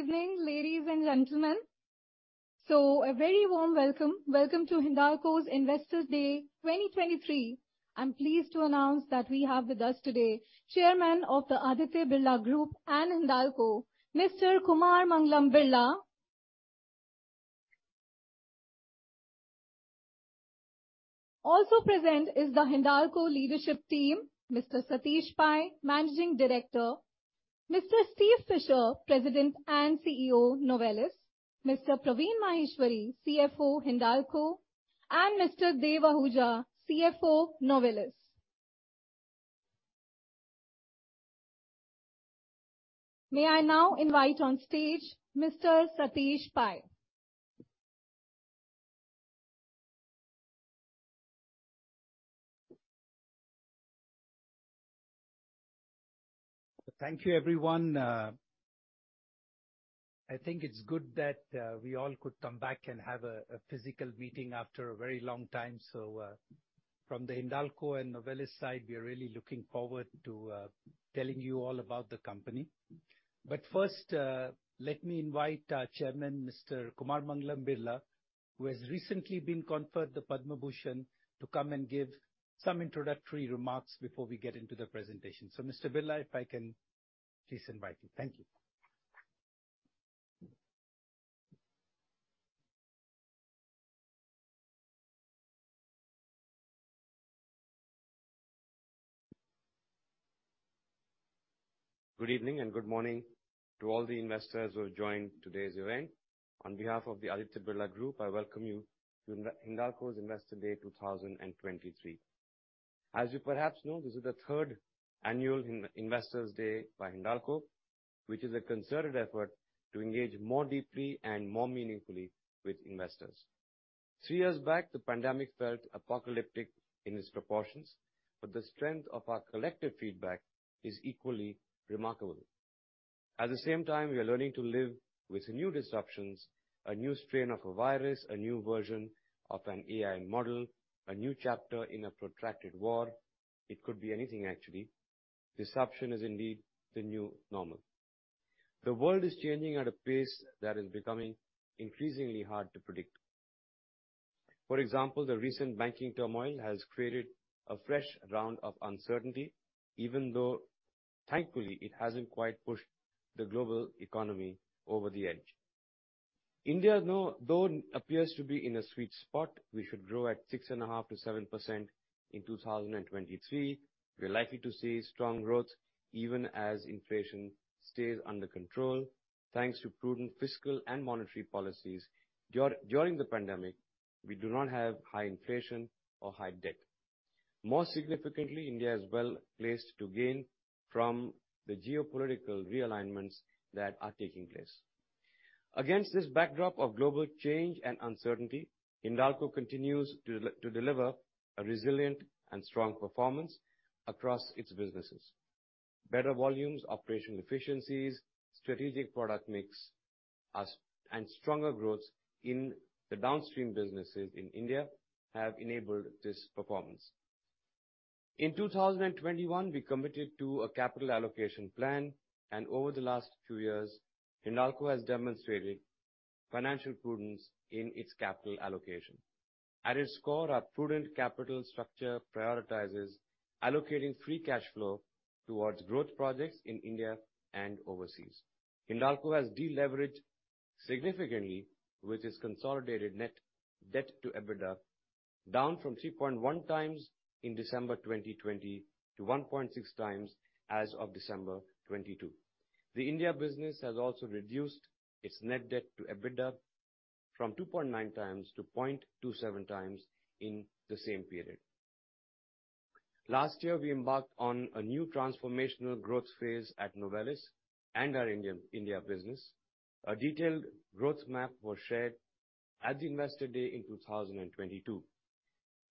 Evening, ladies and gentlemen. A very warm welcome. Welcome to Hindalco's Investors' Day 2023. I'm pleased to announce that we have with us today Chairman of the Aditya Birla Group and Hindalco, Mr. Kumar Mangalam Birla. Also present is the Hindalco leadership team, Mr. Satish Pai, Managing Director; Mr. Steve Fisher, President and CEO, Novelis; Mr. Praveen Maheshwari, CFO, Hindalco; and Mr. Dev Ahuja, CFO, Novelis. May I now invite on stage Mr. Satish Pai. Thank you, everyone. I think it's good that we all could come back and have a physical meeting after a very long time. From the Hindalco and Novelis side, we are really looking forward to telling you all about the company. First, let me invite our Chairman, Mr. Kumar Mangalam Birla, who has recently been conferred the Padma Bhushan, to come and give some introductory remarks before we get into the presentation. Mr. Birla, if I can please invite you. Thank you. Good evening and good morning to all the investors who have joined today's event. On behalf of the Aditya Birla Group, I welcome you to Hindalco's Investor Day 2023. As you perhaps know, this is the third annual Investors Day by Hindalco, which is a concerted effort to engage more deeply and more meaningfully with investors. Three years back, the pandemic felt apocalyptic in its proportions. The strength of our collective feedback is equally remarkable. At the same time, we are learning to live with new disruptions, a new strain of a virus, a new version of an AI model, a new chapter in a protracted war. It could be anything actually. Disruption is indeed the new normal. The world is changing at a pace that is becoming increasingly hard to predict. For example, the recent banking turmoil has created a fresh round of uncertainty, even though thankfully it hasn't quite pushed the global economy over the edge. India though appears to be in a sweet spot. We should grow at 6.5%-7% in 2023. We're likely to see strong growth even as inflation stays under control, thanks to prudent fiscal and monetary policies during the pandemic. We do not have high inflation or high debt. More significantly, India is well placed to gain from the geopolitical realignments that are taking place. Against this backdrop of global change and uncertainty, Hindalco continues to deliver a resilient and strong performance across its businesses. Better volumes, operational efficiencies, strategic product mix, and stronger growth in the downstream businesses in India have enabled this performance. In 2021, we committed to a capital allocation plan, over the last few years, Hindalco has demonstrated financial prudence in its capital allocation. At its core, our prudent capital structure prioritizes allocating free cash flow towards growth projects in India and overseas. Hindalco has de-leveraged significantly with its consolidated net debt to EBITDA down from 3.1x in December 2020 to 1.6x as of December 2022. The India business has also reduced its net debt to EBITDA from 2.9x to 0.27x in the same period. Last year, we embarked on a new transformational growth phase at Novelis and our India business. A detailed growth map was shared at the Investor Day in 2022.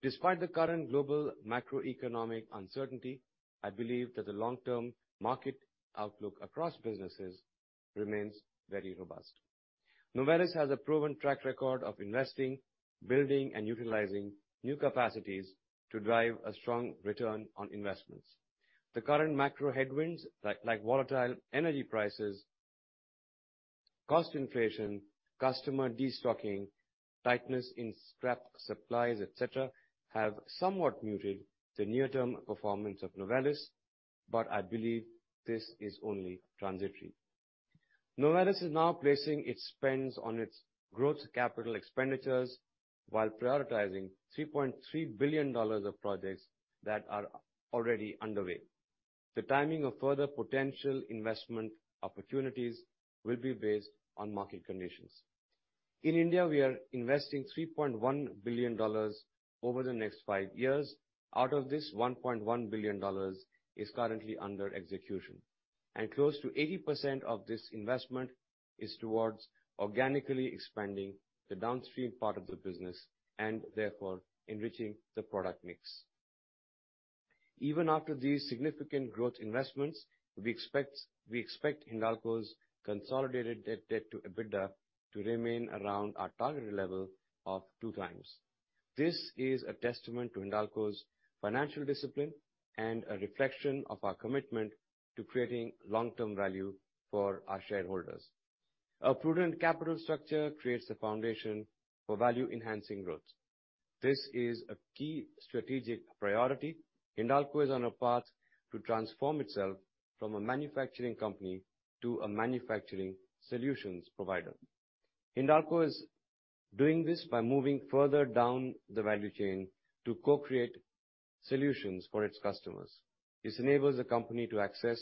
Despite the current global macroeconomic uncertainty, I believe that the long-term market outlook across businesses remains very robust. Novelis has a proven track record of investing, building, and utilizing new capacities to drive a strong return on investments. The current macro headwinds, like volatile energy prices, cost inflation, customer destocking, tightness in scrap supplies, et cetera, have somewhat muted the near-term performance of Novelis, but I believe this is only transitory. Novelis is now placing its spends on its growth capital expenditures while prioritizing $3.3 billion of projects that are already underway. The timing of further potential investment opportunities will be based on market conditions. In India, we are investing $3.1 billion over the next five years. Out of this, $1.1 billion is currently under execution, and close to 80% of this investment is towards organically expanding the downstream part of the business and therefore enriching the product mix. Even after these significant growth investments, we expect Hindalco's consolidated net debt to EBITDA to remain around our targeted level of two times. This is a testament to Hindalco's financial discipline and a reflection of our commitment to creating long-term value for our shareholders. A prudent capital structure creates the foundation for value-enhancing growth. This is a key strategic priority. Hindalco is on a path to transform itself from a manufacturing company to a manufacturing solutions provider. Hindalco is doing this by moving further down the value chain to co-create solutions for its customers. This enables the company to access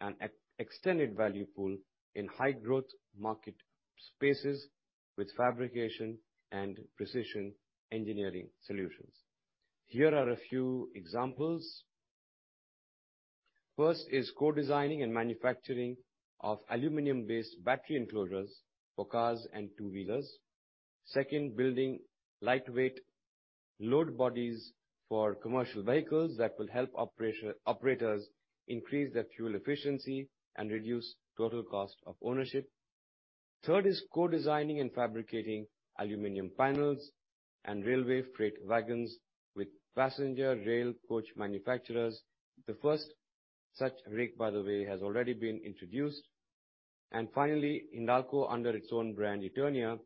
an extended value pool in high growth market spaces with fabrication and precision engineering solutions. Here are a few examples. First is co-designing and manufacturing of aluminum-based battery enclosures for cars and two-wheelers. Second, building lightweight load bodies for commercial vehicles that will help operators increase their fuel efficiency and reduce total cost of ownership. Third is co-designing and fabricating aluminum panels and railway freight wagons with passenger rail coach manufacturers. The first such rig, by the way, has already been introduced. Finally, Hindalco, under its own brand, Eternia,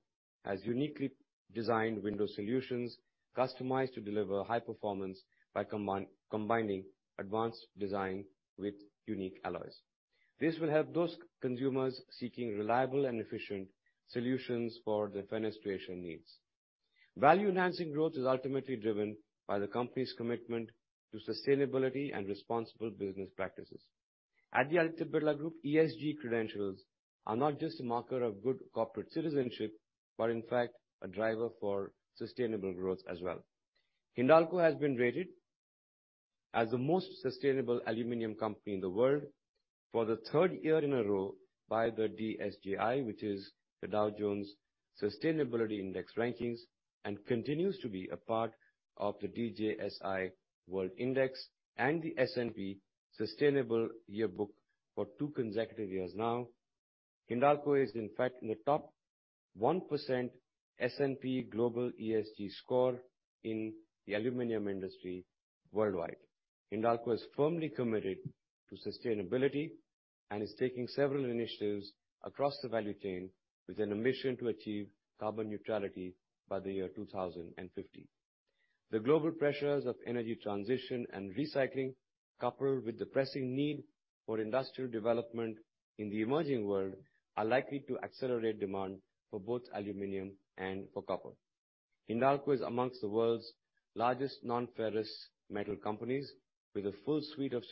has uniquely designed window solutions customized to deliver high performance by combining advanced design with unique alloys. This will help those consumers seeking reliable and efficient solutions for their fenestration needs. Value-enhancing growth is ultimately driven by the company's commitment to sustainability and responsible business practices. At the Aditya Birla Group, ESG credentials are not just a marker of good corporate citizenship, but in fact a driver for sustainable growth as well. Hindalco has been rated as the most sustainable aluminum company in the world for the third year in a row by the DJSI, which is the Dow Jones Sustainability Index rankings, and continues to be a part of the DJSI World Index and the S&P Global Sustainability Yearbook for two consecutive years now. Hindalco is in fact in the top 1% S&P Global ESG score in the aluminum industry worldwide. Hindalco is firmly committed to sustainability and is taking several initiatives across the value chain with an ambition to achieve carbon neutrality by the year 2050. The global pressures of energy transition and recycling, coupled with the pressing need for industrial development in the emerging world, are likely to accelerate demand for both aluminum and for copper. Hindalco is amongst the world's largest non-ferrous metal companies with a full suite of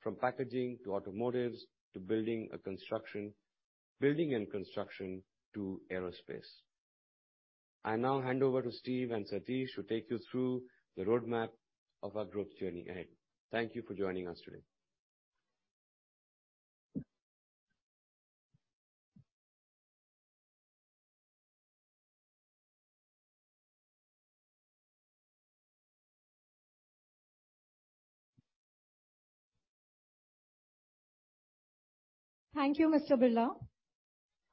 solutions from packaging to automotives to building and construction to aerospace. I now hand over to Steve and Satish to take you through the roadmap of our growth journey ahead. Thank you for joining us today. Thank you, Mr. Birla.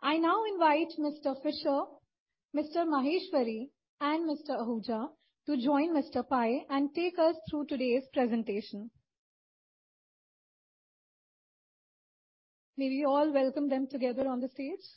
I now invite Mr. Fisher, Mr. Maheshwari and Mr. Ahuja to join Mr. Pai and take us through today's presentation. May we all welcome them together on the stage.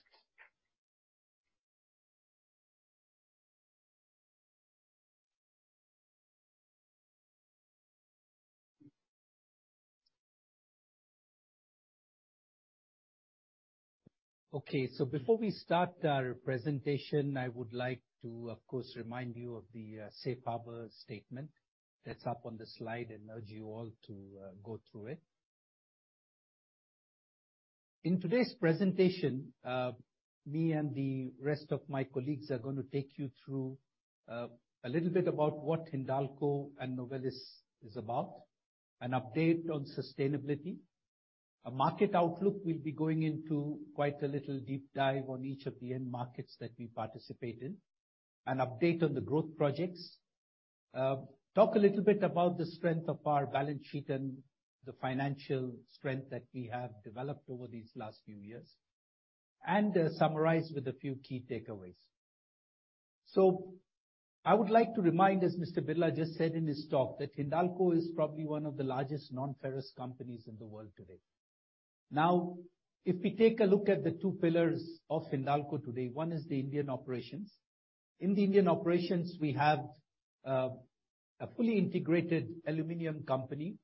Okay. Before we start our presentation, I would like to, of course, remind you of the safe harbor statement that's up on the slide and urge you all to go through it. In today's presentation, me and the rest of my colleagues are gonna take you through a little bit about what Hindalco and Novelis is about, an update on sustainability. A market outlook will be going into quite a little deep dive on each of the end markets that we participate in. An update on the growth projects. Talk a little bit about the strength of our balance sheet and the financial strength that we have developed over these last few years. Summarize with a few key takeaways. I would like to remind, as Mr. Birla just said in his talk, that Hindalco is probably one of the largest non-ferrous companies in the world today. If we take a look at the two pillars of Hindalco today, one is the Indian operations. In the Indian operations, we have a fully integrated aluminum company.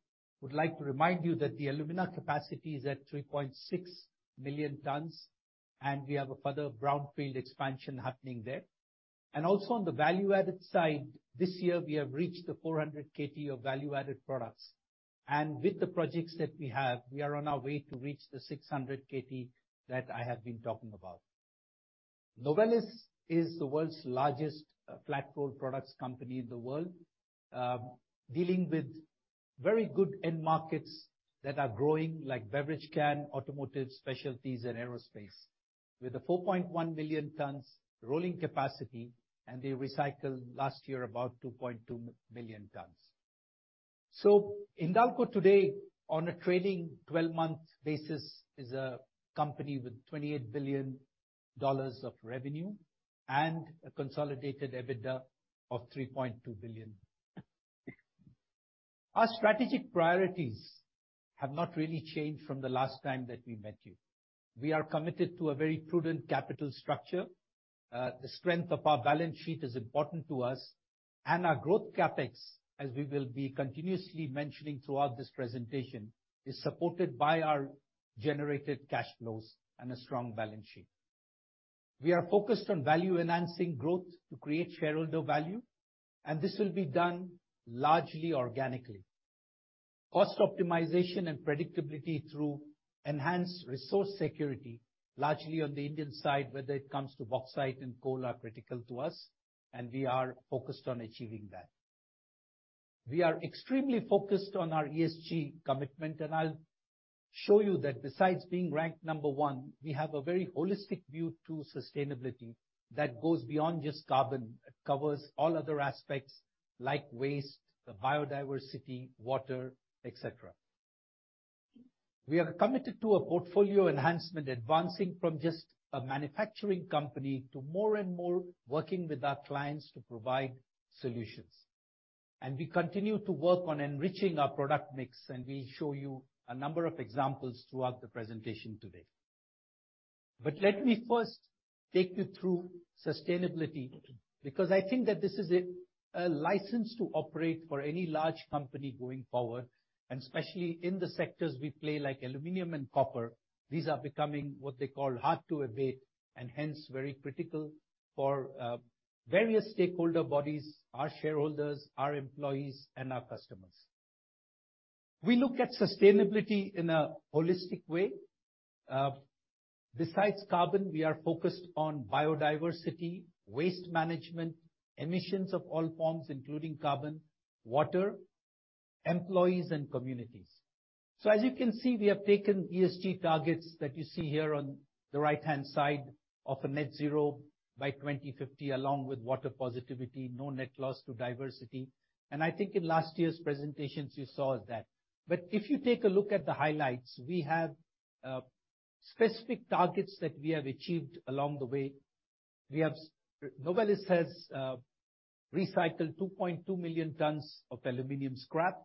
Would like to remind you that the alumina capacity is at 3.6 million tons, and we have a further brownfield expansion happening there. Also on the value-added side, this year we have reached the 400 kt of value-added products. With the projects that we have, we are on our way to reach the 600 kt that I have been talking about. Novelis is the world's largest flat-roll products company in the world, dealing with very good end markets that are growing, like beverage can, automotive specialties and aerospace. With a 4.1 million tons rolling capacity and they recycled last year about 2.2 million tons. Hindalco today on a trading 12-month basis is a company with $28 billion of revenue and a consolidated EBITDA of $3.2 billion. Our strategic priorities have not really changed from the last time that we met you. We are committed to a very prudent capital structure. The strength of our balance sheet is important to us, and our growth CapEx, as we will be continuously mentioning throughout this presentation, is supported by our generated cash flows and a strong balance sheet. We are focused on value-enhancing growth to create shareholder value, and this will be done largely organically. Cost optimization and predictability through enhanced resource security, largely on the Indian side, whether it comes to bauxite and coal, are critical to us, and we are focused on achieving that. We are extremely focused on our ESG commitment, and I'll show you that besides being ranked number one, we have a very holistic view to sustainability that goes beyond just carbon. It covers all other aspects like waste, biodiversity, water, et cetera. We are committed to a portfolio enhancement, advancing from just a manufacturing company to more and more working with our clients to provide solutions. We continue to work on enriching our product mix, and we'll show you a number of examples throughout the presentation today. Let me first take you through sustainability, because I think that this is a license to operate for any large company going forward, and especially in the sectors we play, like aluminum and copper. These are becoming what they call hard-to-abate and hence very critical for various stakeholder bodies, our shareholders, our employees, and our customers. We look at sustainability in a holistic way. Besides carbon, we are focused on biodiversity, waste management, emissions of all forms, including carbon, water, employees, and communities. As you can see, we have taken ESG targets that you see here on the right-hand side of a net zero by 2050, along with water positivity, no net loss to diversity. I think in last year's presentations you saw that. If you take a look at the highlights, we have specific targets that we have achieved along the way. Novelis has recycled 2.2 million tons of aluminum scrap.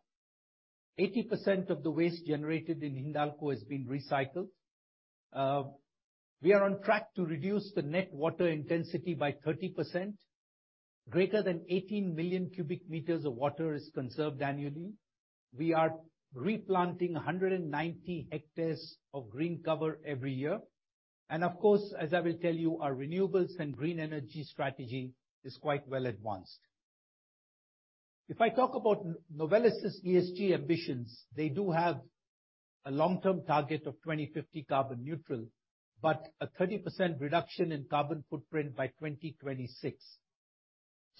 80% of the waste generated in Hindalco has been recycled. We are on track to reduce the net water intensity by 30%. Greater than 18 million cubic meters of water is conserved annually. We are replanting 190 hectares of green cover every year. Of course, as I will tell you, our renewables and green energy strategy is quite well advanced. If I talk about Novelis' ESG ambitions, they do have a long-term target of 2050 carbon neutral, a 30% reduction in carbon footprint by 2026.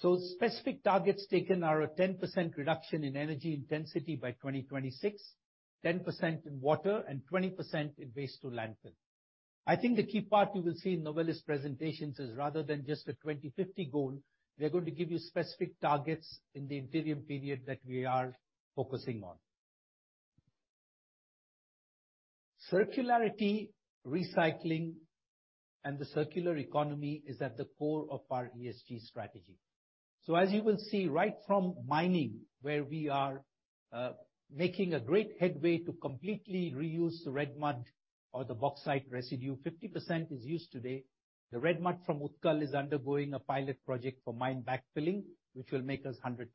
Specific targets taken are a 10% reduction in energy intensity by 2026, 10% in water, and 20% in waste to landfill. I think the key part you will see in Novelis presentations is rather than just a 2050 goal, we are going to give you specific targets in the interim period that we are focusing on. Circularity, recycling, and the circular economy is at the core of our ESG strategy. As you will see right from mining, where we are making a great headway to completely reuse the red mud or the bauxite residue, 50% is used today. The red mud from Utkal is undergoing a pilot project for mine backfilling, which will make us 100%.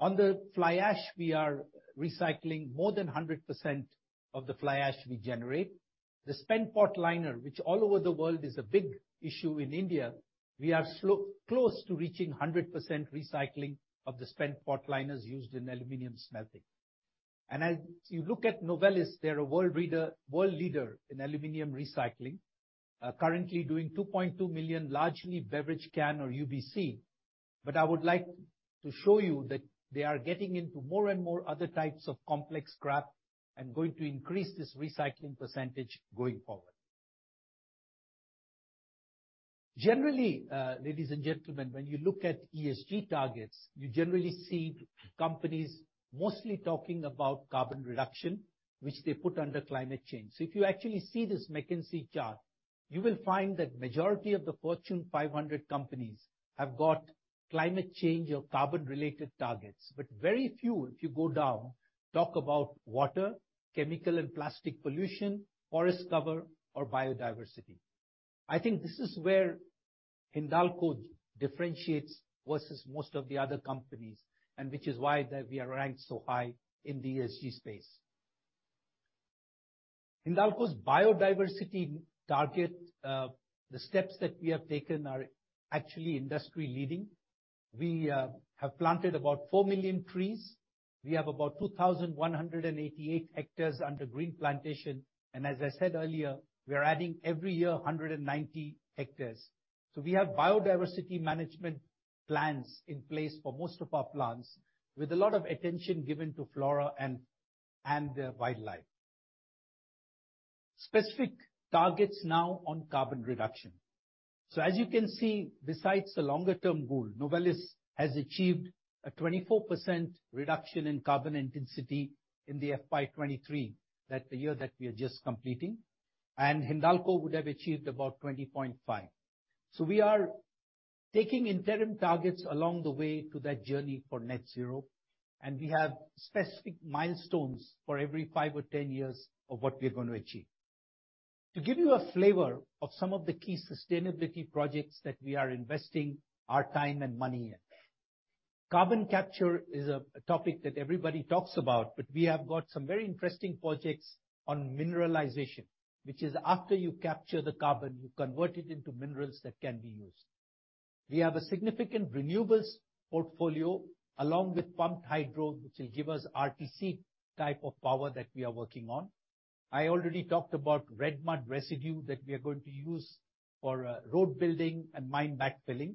On the fly ash, we are recycling more than 100% of the fly ash we generate. The spent potliner, which all over the world is a big issue in India, we are close to reaching 100% recycling of the spent potliners used in aluminum smelting. As you look at Novelis, they're a world leader in aluminum recycling, currently doing 2.2 million, largely beverage can or UBC. I would like to show you that they are getting into more and more other types of complex scrap and going to increase this recycling % going forward. Generally, ladies and gentlemen, when you look at ESG targets, you generally see companies mostly talking about carbon reduction, which they put under climate change. If you actually see this McKinsey chart, you will find that majority of the Fortune 500 companies have got climate change or carbon-related targets. Very few, if you go down, talk about water, chemical, and plastic pollution, forest cover or biodiversity. I think this is where Hindalco differentiates versus most of the other companies, and which is why that we are ranked so high in the ESG space. Hindalco's biodiversity target, the steps that we have taken are actually industry-leading. We have planted about 4 million trees. We have about 2,188 hectares under green plantation. As I said earlier, we are adding every year 190 hectares. We have biodiversity management plans in place for most of our plants with a lot of attention given to flora and wildlife. Specific targets now on carbon reduction. As you can see, besides the longer-term goal, Novelis has achieved a 24% reduction in carbon intensity in the FY 2023, that the year that we are just completing, and Hindalco would have achieved about 20.5%. We are taking interim targets along the way to that journey for net zero, and we have specific milestones for every five or 10 years of what we are gonna achieve. To give you a flavor of some of the key sustainability projects that we are investing our time and money in. Carbon capture is a topic that everybody talks about, but we have got some very interesting projects on mineralization, which is after you capture the carbon, you convert it into minerals that can be used. We have a significant renewables portfolio along with pumped hydro, which will give us RTC type of power that we are working on. I already talked about red mud residue that we are going to use for road building and mine backfilling.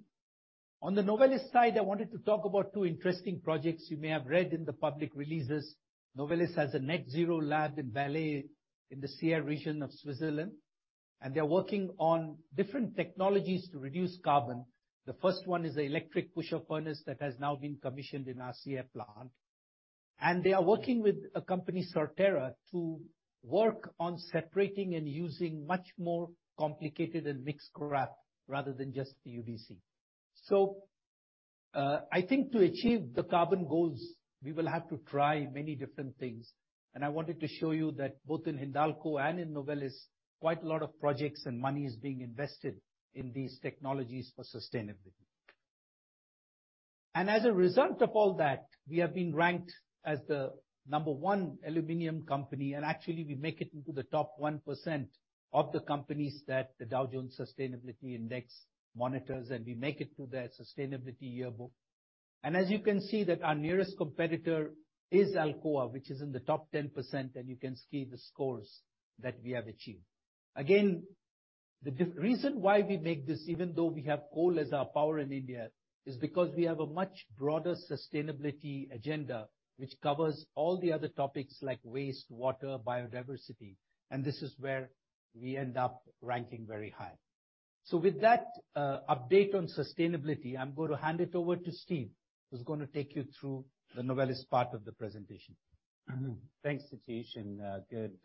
On the Novelis side, I wanted to talk about two interesting projects you may have read in the public releases. Novelis has a net zero lab in Valais in the Sierre region of Switzerland, and they're working on different technologies to reduce carbon. The first one is the electric pusher furnace that has now been commissioned in our Sierre plant. They are working with a company, Sortera, to work on separating and using much more complicated and mixed scrap rather than just the UBC. I think to achieve the carbon goals, we will have to try many different things, and I wanted to show you that both in Hindalco and in Novelis, quite a lot of projects and money is being invested in these technologies for sustainability. As a result of all that, we have been ranked as the number one aluminum company, and actually we make it into the top 1% of the companies that the Dow Jones Sustainability Index monitors, and we make it to their sustainability yearbook. As you can see that our nearest competitor is Alcoa, which is in the top 10%, and you can see the scores that we have achieved. Again, the reason why we make this, even though we have coal as our power in India, is because we have a much broader sustainability agenda, which covers all the other topics like waste, water, biodiversity, and this is where we end up ranking very high. With that, update on sustainability, I'm gonna hand it over to Steve, who's gonna take you through the Novelis part of the presentation. Thanks, Satish, good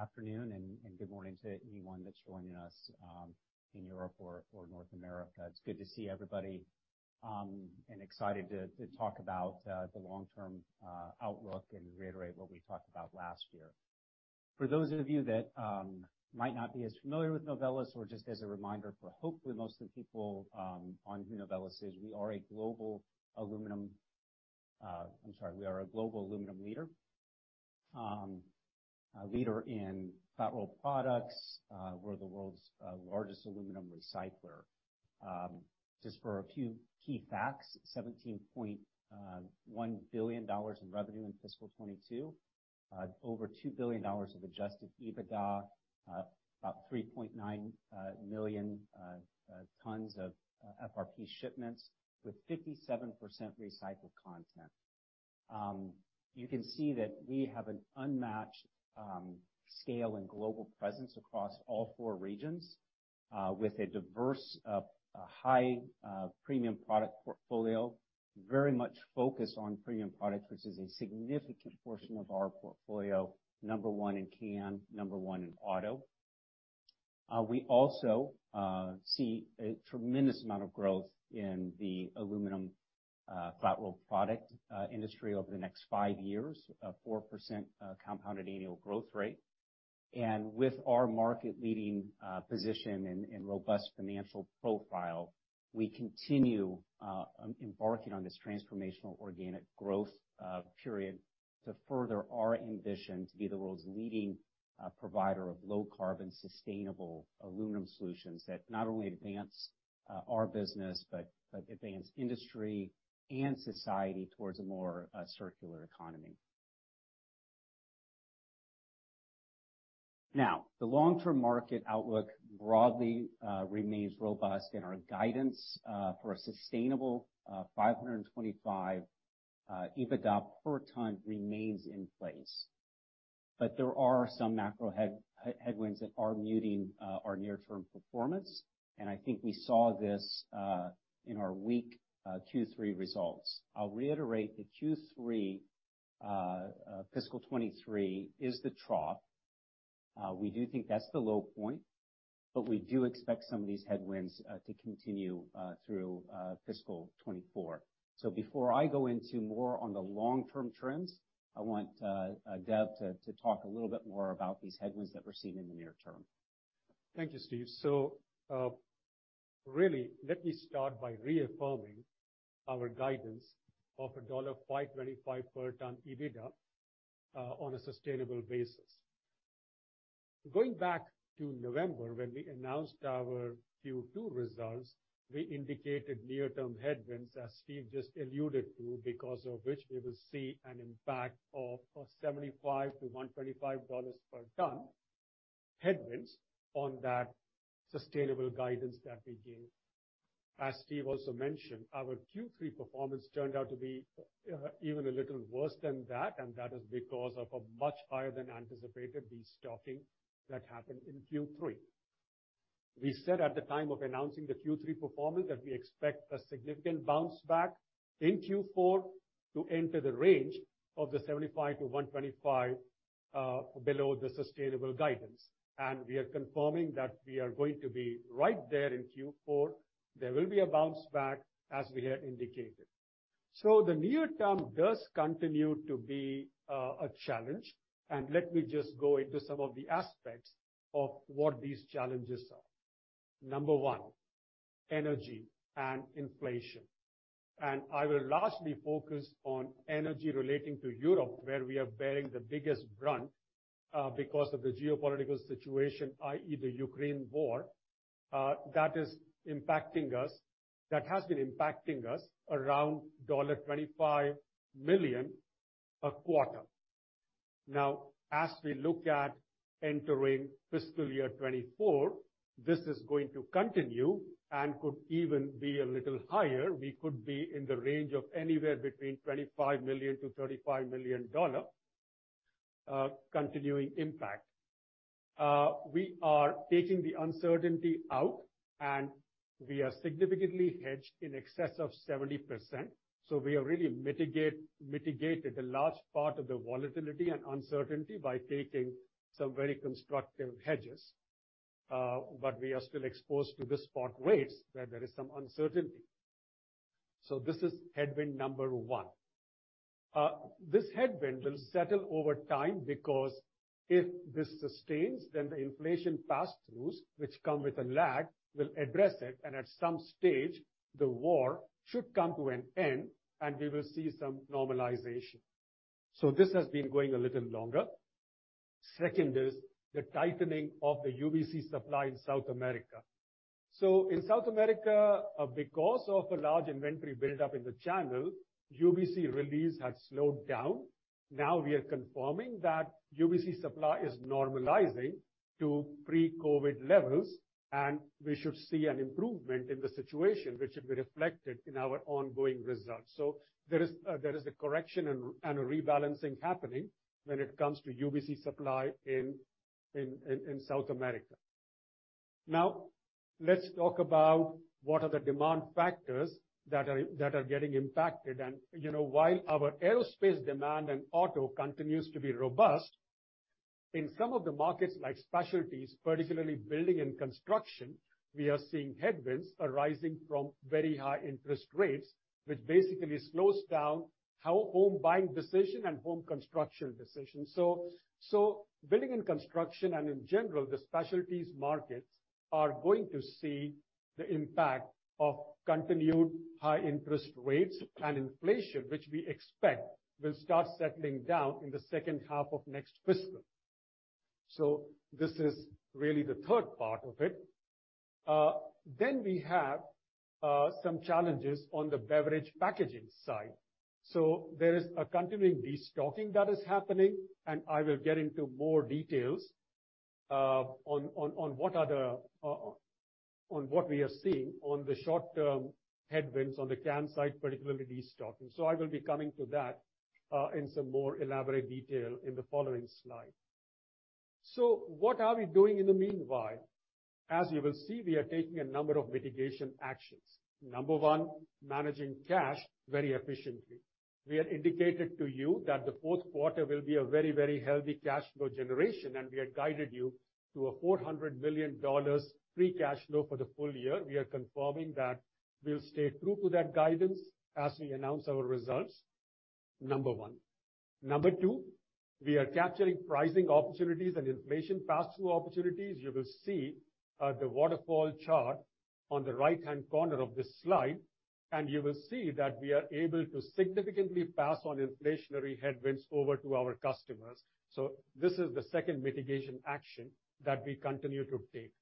afternoon and good morning to anyone that's joining us in Europe or North America. It's good to see everybody and excited to talk about the long-term outlook and reiterate what we talked about last year. For those of you that might not be as familiar with Novelis or just as a reminder for hopefully most of the people on who Novelis is, we are a global aluminum leader. A leader in flat-roll products. We're the world's largest aluminum recycler. Just for a few key facts, $17.1 billion in revenue in fiscal 2022. Over $2 billion of adjusted EBITDA. About 3.9 million tons of FRP shipments with 57% recycled content. You can see that we have an unmatched scale and global presence across all four regions, with a diverse, high premium product portfolio, very much focused on premium products, which is a significant portion of our portfolio. Number one in can, number one in auto. We also see a tremendous amount of growth in the aluminum flat-roll product industry over the next five years, a 4% compounded annual growth rate. With our market-leading position and robust financial profile, we continue embarking on this transformational organic growth period to further our ambition to be the world's leading provider of low-carbon, sustainable aluminum solutions that not only advance our business, but advance industry and society towards a more circular economy. The long-term market outlook broadly remains robust in our guidance for a sustainable $525 EBITDA per ton remains in place. There are some macro headwinds that are muting our near-term performance, and I think we saw this in our weak Q3 results. I'll reiterate that Q3 fiscal 2023 is the trough. We do think that's the low point, but we do expect some of these headwinds to continue through fiscal 2024. Before I go into more on the long-term trends, I want Dev to talk a little bit more about these headwinds that we're seeing in the near term. Thank you, Steve. Really let me start by reaffirming our guidance of $525 per ton EBITDA on a sustainable basis. Going back to November, when we announced our Q2 results, we indicated near-term headwinds, as Steve just alluded to, because of which we will see an impact of $75-$125 per ton headwinds on that sustainable guidance that we gave. As Steve also mentioned, our Q3 performance turned out to be even a little worse than that is because of a much higher than anticipated destocking that happened in Q3. We said at the time of announcing the Q3 performance that we expect a significant bounce back in Q4 to enter the range of the $75-$125 below the sustainable guidance. We are confirming that we are going to be right there in Q4. There will be a bounce back as we had indicated. The near term does continue to be a challenge, let me just go into some of the aspects of what these challenges are. Number one, energy and inflation. I will largely focus on energy relating to Europe, where we are bearing the biggest brunt, because of the geopolitical situation, i.e., the Ukraine war, that has been impacting us around $25 million a quarter. As we look at entering fiscal year 2024, this is going to continue and could even be a little higher. We could be in the range of anywhere between $25 million-$35 million, continuing impact. We are taking the uncertainty out, we are significantly hedged in excess of 70%. We have really mitigated a large part of the volatility and uncertainty by taking some very constructive hedges. We are still exposed to the spot rates where there is some uncertainty. This is headwind number one. This headwind will settle over time because if this sustains, then the inflation pass-throughs, which come with a lag, will address it. At some stage, the war should come to an end, and we will see some normalization. This has been going a little longer. Second is the tightening of the UBC supply in South America. In South America, because of a large inventory buildup in the channel, UBC release has slowed down. Now we are confirming that UBC supply is normalizing to pre-COVID levels, and we should see an improvement in the situation, which should be reflected in our ongoing results. There is a correction and a rebalancing happening when it comes to UBC supply in South America. Now, let's talk about what are the demand factors that are getting impacted. You know, while our aerospace demand and auto continues to be robust, in some of the markets like specialties, particularly building and construction, we are seeing headwinds arising from very high interest rates, which basically slows down how home buying decision and home construction decisions. Building and construction and in general, the specialties markets are going to see the impact of continued high interest rates and inflation, which we expect will start settling down in the second half of next fiscal. This is really the third part of it. Then we have some challenges on the beverage packaging side. There is a continuing destocking that is happening, and I will get into more details on what are the on what we are seeing on the short-term headwinds on the can side, particularly destocking. I will be coming to that in some more elaborate detail in the following slide. What are we doing in the meanwhile? As you will see, we are taking a number of mitigation actions. Number one, managing cash very efficiently. We have indicated to you that the fourth quarter will be a very, very healthy cash flow generation, and we have guided you to a $400 million free cash flow for the full year. We are confirming that we'll stay true to that guidance as we announce our results. Number one. Number two, we are capturing pricing opportunities and inflation pass-through opportunities. You will see the waterfall chart on the right-hand corner of this slide, and you will see that we are able to significantly pass on inflationary headwinds over to our customers. This is the second mitigation action that we continue to take.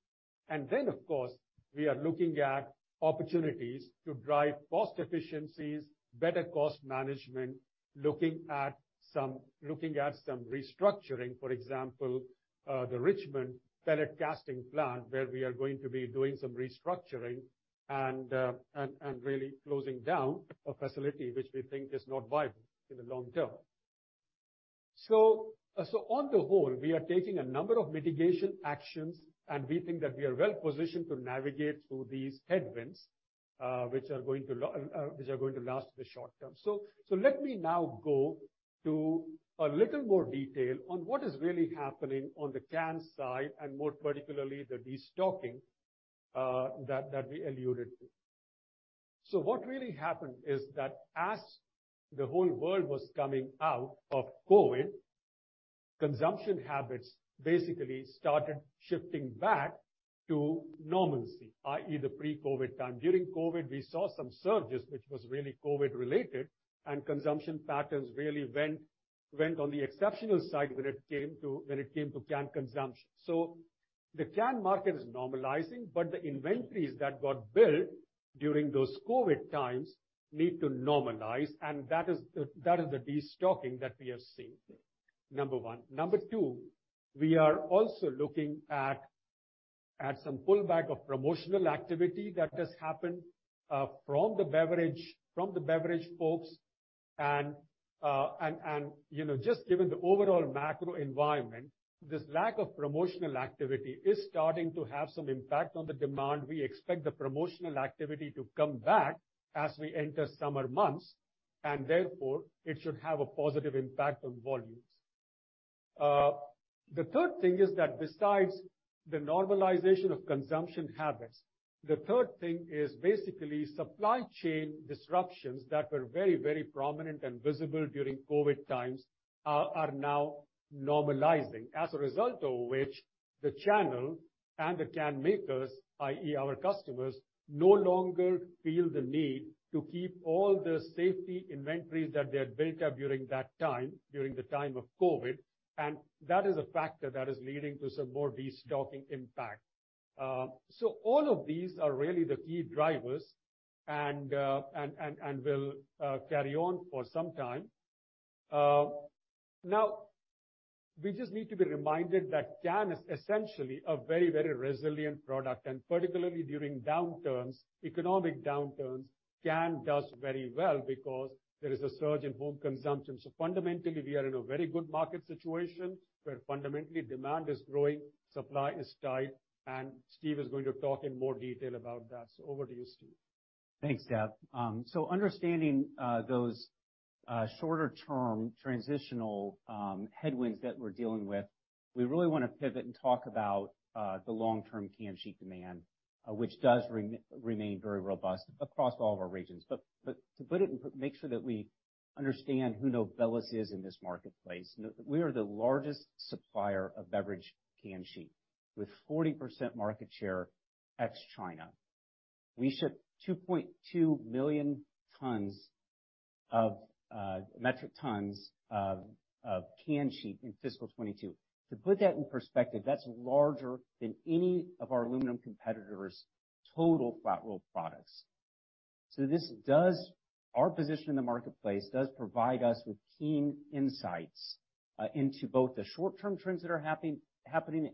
Then, of course, we are looking at opportunities to drive cost efficiencies, better cost management, looking at some restructuring. For example, the Richmond Pellet casting plant where we are going to be doing some restructuring and really closing down a facility which we think is not viable in the long term. On the whole, we are taking a number of mitigation actions, and we think that we are well positioned to navigate through these headwinds which are going to last in the short term. Let me now go to a little more detail on what is really happening on the can side, and more particularly, the destocking that we alluded to. What really happened is that as the whole world was coming out of COVID, consumption habits basically started shifting back to normalcy, i.e., the pre-COVID time. During COVID, we saw some surges, which was really COVID related, and consumption patterns really went on the exceptional side when it came to can consumption. The can market is normalizing, but the inventories that got built during those COVID times need to normalize, and that is the destocking that we have seen. Number one. Number two, we are also looking at some pullback of promotional activity that has happened from the beverage folks and, you know, just given the overall macro environment, this lack of promotional activity is starting to have some impact on the demand. We expect the promotional activity to come back as we enter summer months. Therefore, it should have a positive impact on volumes. The third thing is that besides the normalization of consumption habits, the third thing is basically supply chain disruptions that were very, very prominent and visible during COVID times are now normalizing. As a result of which, the channel and the can makers, i.e., our customers, no longer feel the need to keep all the safety inventories that they had built up during that time, during the time of COVID. That is a factor that is leading to some more de-stocking impact. All of these are really the key drivers and will carry on for some time. Now we just need to be reminded that can is essentially a very, very resilient product, and particularly during downturns, economic downturns, can does very well because there is a surge in home consumption. Fundamentally, we are in a very good market situation where fundamentally demand is growing, supply is tight, and Steve is going to talk in more detail about that. Over to you, Steve. Thanks, Dev. Understanding those shorter-term transitional headwinds that we really want to pivot and talk about the long-term can sheet demand, which does remain very robust across all of our regions. To make sure that we understand who Novelis is in this marketplace. We are the largest supplier of beverage can sheet with 40% market share ex-China. We ship 2.2 million tons of can sheet in fiscal 2022. To put that in perspective, that's larger than any of our aluminum competitors' total flat-roll products. Our position in the marketplace does provide us with keen insights into both the short-term trends that are happening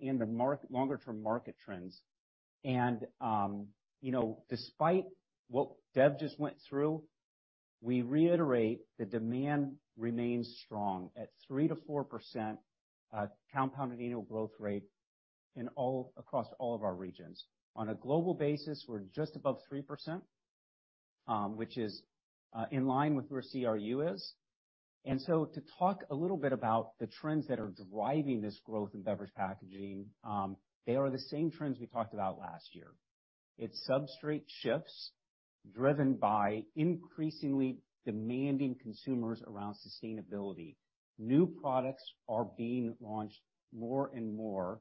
and the longer-term market trends. you know, despite what Dev just went through, we reiterate the demand remains strong at 3%-4% compounded annual growth rate across all of our regions. On a global basis, we're just above 3%, which is in line with where CRU is. To talk a little bit about the trends that are driving this growth in beverage packaging, they are the same trends we talked about last year. It's substrate shifts driven by increasingly demanding consumers around sustainability. New products are being launched more and more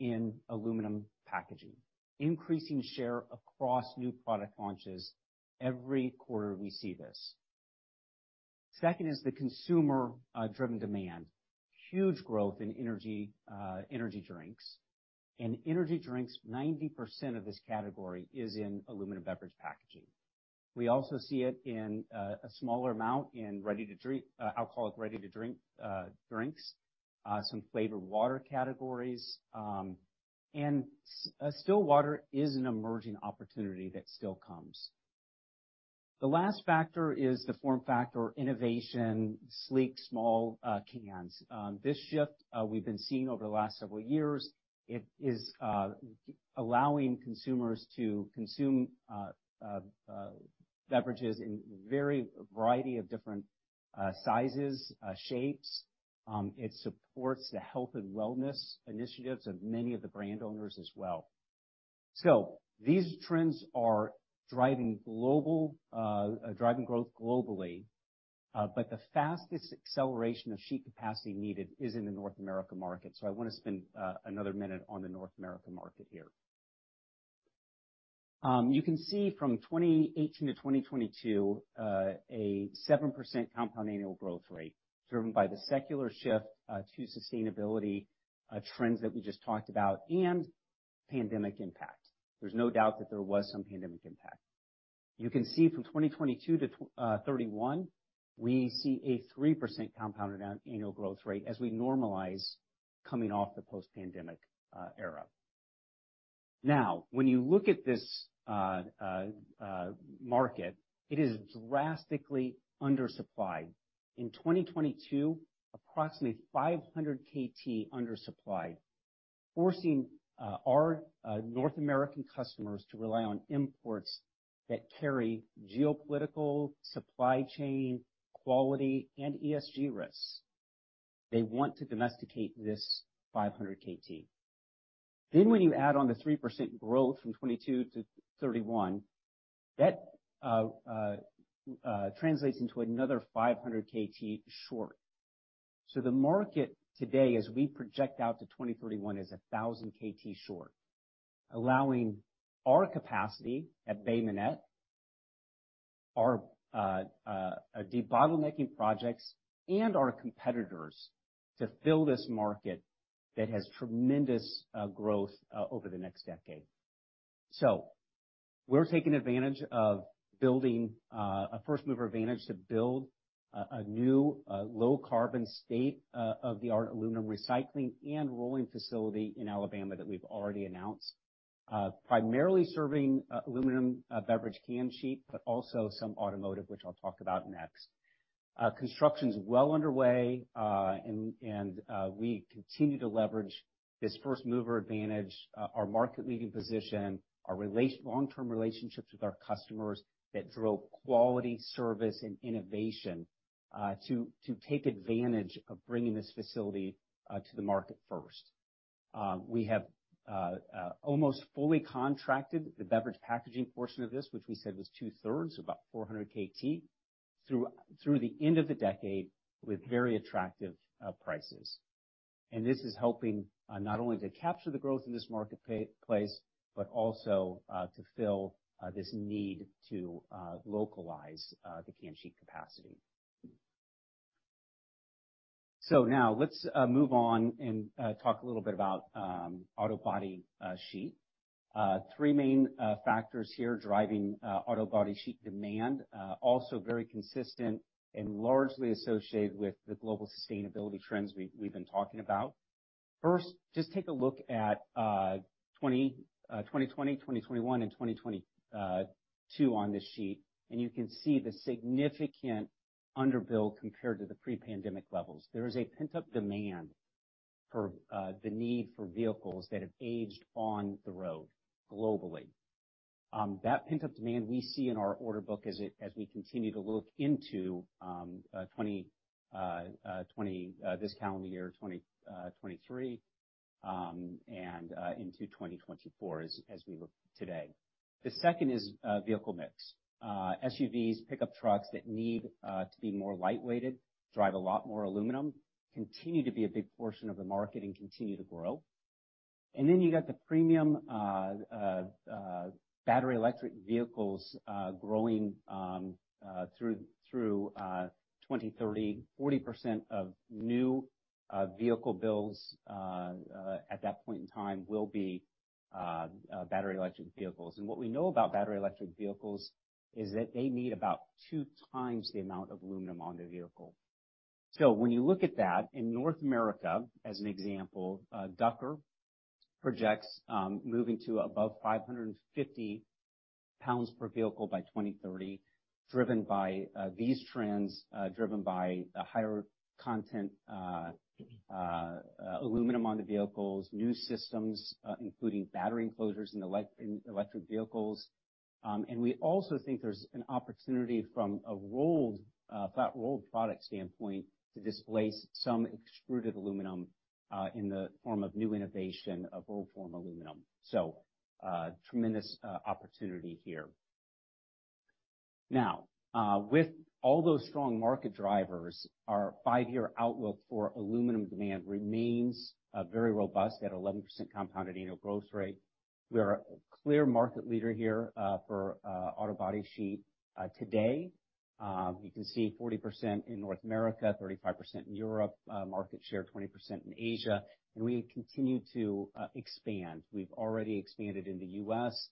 in aluminum packaging, increasing share across new product launches. Every quarter we see this. Second is the consumer-driven demand. Huge growth in energy drinks. Energy drinks, 90% of this category is in aluminum beverage packaging. We also see it in a smaller amount in ready to drink, alcoholic ready to drink, drinks, some flavored water categories, and still water is an emerging opportunity that still comes. The last factor is the form factor innovation, sleek, small cans. This shift we've been seeing over the last several years, it is allowing consumers to consume beverages in very variety of different sizes, shapes. It supports the health and wellness initiatives of many of the brand owners as well. These trends are driving global driving growth globally, but the fastest acceleration of sheet capacity needed is in the North America market. I wanna spend another minute on the North America market here. You can see from 2018 to 2022, a 7% compound annual growth rate driven by the secular shift to sustainability trends that we just talked about and pandemic impact. There's no doubt that there was some pandemic impact. You can see from 2022 to 2031, we see a 3% compounded annual growth rate as we normalize coming off the post-pandemic era. When you look at this market, it is drastically undersupplied. In 2022, approximately 500 kt undersupplied, forcing our North American customers to rely on imports that carry geopolitical supply chain quality and ESG risks. They want to domesticate this 500 kt. When you add on the 3% growth from 2022 to 2031, that translates into another 500 kt short. The market today, as we project out to 2031, is 1,000 kt short, allowing our capacity at Bay Minette, our debottlenecking projects and our competitors to fill this market that has tremendous growth over the next decade. We're taking advantage of building a first-mover advantage to build a new low carbon state-of-the-art aluminum recycling and rolling facility in Alabama that we've already announced. Primarily serving aluminum beverage can sheet, but also some automotive, which I'll talk about next. Construction's well underway, and we continue to leverage this first-mover advantage, our market-leading position, our long-term relationships with our customers that drove quality service and innovation to take advantage of bringing this facility to the market first. We have almost fully contracted the beverage packaging portion of this, which we said was two-thirds, about 400 kt, through the end of the decade with very attractive prices. This is helping not only to capture the growth in this marketplace, but also to fill this need to localize the can sheet capacity. Now let's move on and talk a little bit about auto body sheet. Three main factors here driving auto body sheet demand, also very consistent and largely associated with the global sustainability trends we've been talking about. First, just take a look at 2020, 2021, and 2022 on this sheet, and you can see the significant underbuild compared to the pre-pandemic levels. There is a pent-up demand for the need for vehicles that have aged on the road globally. That pent-up demand we see in our order book as we continue to look into this calendar year, 2023, and into 2024 as we look today. The second is vehicle mix. SUVs, pickup trucks that need to be more light weighted, drive a lot more aluminum, continue to be a big portion of the market and continue to grow. You got the premium battery electric vehicles growing through 2030, 40% of new vehicle builds at that point in time will be battery electric vehicles. What we know about battery electric vehicles is that they need about two times the amount of aluminum on their vehicle. When you look at that, in North America, as an example, Ducker projects moving to above 550 lbs per vehicle by 2030, driven by these trends, driven by a higher content aluminum on the vehicles, new systems, including battery enclosures in electric vehicles. We also think there's an opportunity from a rolled, flat rolled product standpoint to displace some extruded aluminum in the form of new innovation of rolled form aluminum. Tremendous opportunity here. Now, with all those strong market drivers, our five-year outlook for aluminum demand remains very robust at 11% compounded annual growth rate. We are a clear market leader here for auto body sheet today. You can see 40% in North America, 35% in Europe, market share, 20% in Asia. We continue to expand. We've already expanded in the US,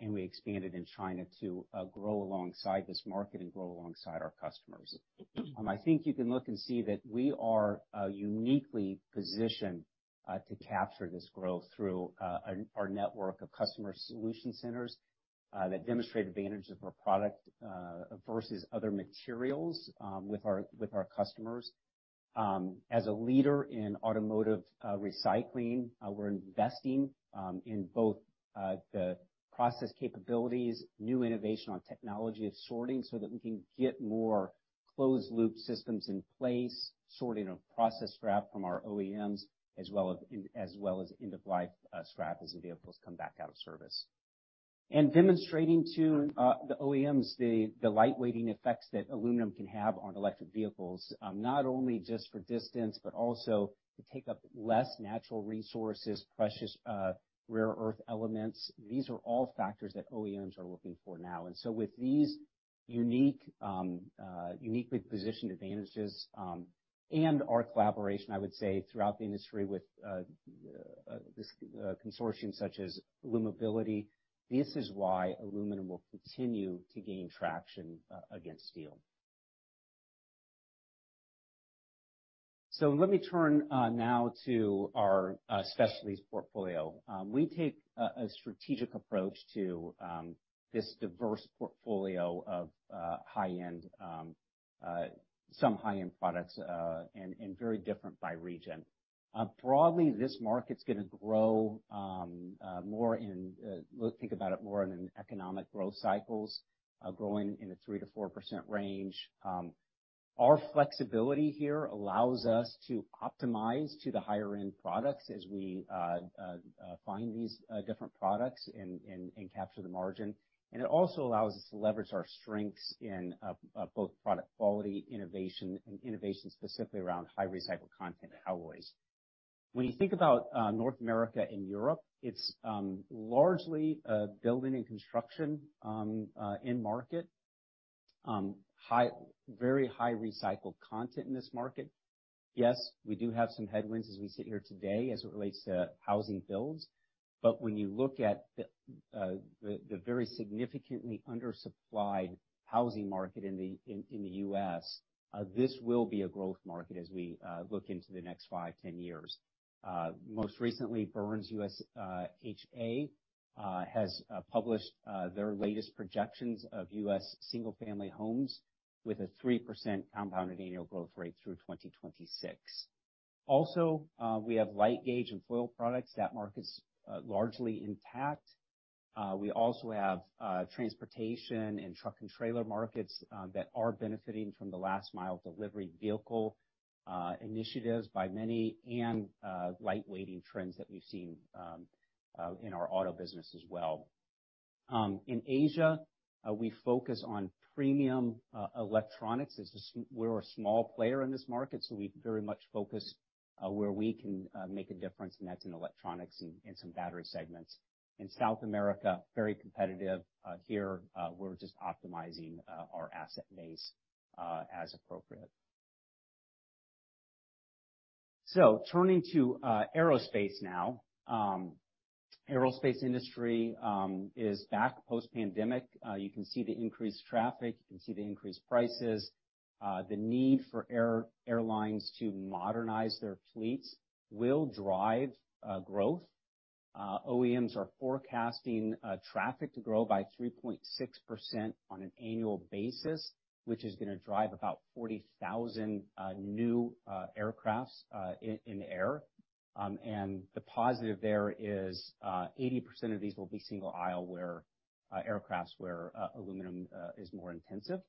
and we expanded in China to grow alongside this market and grow alongside our customers. I think you can look and see that we are uniquely positioned to capture this growth through our network of customer solution centers that demonstrate advantage of our product versus other materials with our customers. As a leader in automotive recycling, we're investing in both the process capabilities, new innovation on technology of sorting so that we can get more closed loop systems in place, sorting of process scrap from our OEMs, as well as end-of-life scrap as the vehicles come back out of service. Demonstrating to the OEMs, the light-weighting effects that aluminum can have on electric vehicles, not only just for distance, but also to take up less natural resources, precious rare earth elements. These are all factors that OEMs are looking for now. With these unique, uniquely positioned advantages, and our collaboration, I would say, throughout the industry with this consortium such as Alumobility, this is why aluminum will continue to gain traction against steel. Let me turn now to our specialties portfolio. We take a strategic approach to this diverse portfolio of high-end, some high-end products, and very different by region. Broadly, this market's gonna grow more in, think about it more in an economic growth cycles, growing in a 3%-4% range. Our flexibility here allows us to optimize to the higher-end products as we find these different products and capture the margin. It also allows us to leverage our strengths in both product quality, innovation, and innovation specifically around high recycled content alloys. When you think about North America and Europe, it's largely building and construction in market. Very high recycled content in this market. Yes, we do have some headwinds as we sit here today as it relates to housing builds. When you look at the very significantly undersupplied housing market in the U.S., this will be a growth market as we look into the next five, 10 years. Most recently, Burns US H.A has published their latest projections of U.S. single-family homes with a 3% compounded annual growth rate through 2026. We have light gauge and foil products. That market's largely intact. We also have transportation and truck and trailer markets that are benefiting from the last mile delivery vehicle initiatives by many and light-weighting trends that we've seen in our auto business as well. In Asia, we focus on premium electronics. We're a small player in this market, so we very much focus, where we can make a difference, and that's in electronics and some battery segments. In South America, very competitive. Here, we're just optimizing our asset base as appropriate. Turning to aerospace now. Aerospace industry is back post-pandemic. You can see the increased traffic. You can see the increased prices. The need for airlines to modernize their fleets will drive growth. OEMs are forecasting traffic to grow by 3.6% on an annual basis, which is gonna drive about 40,000 new aircrafts in the air. And the positive there is 80% of these will be single aisle where aircrafts where aluminum is more intensive.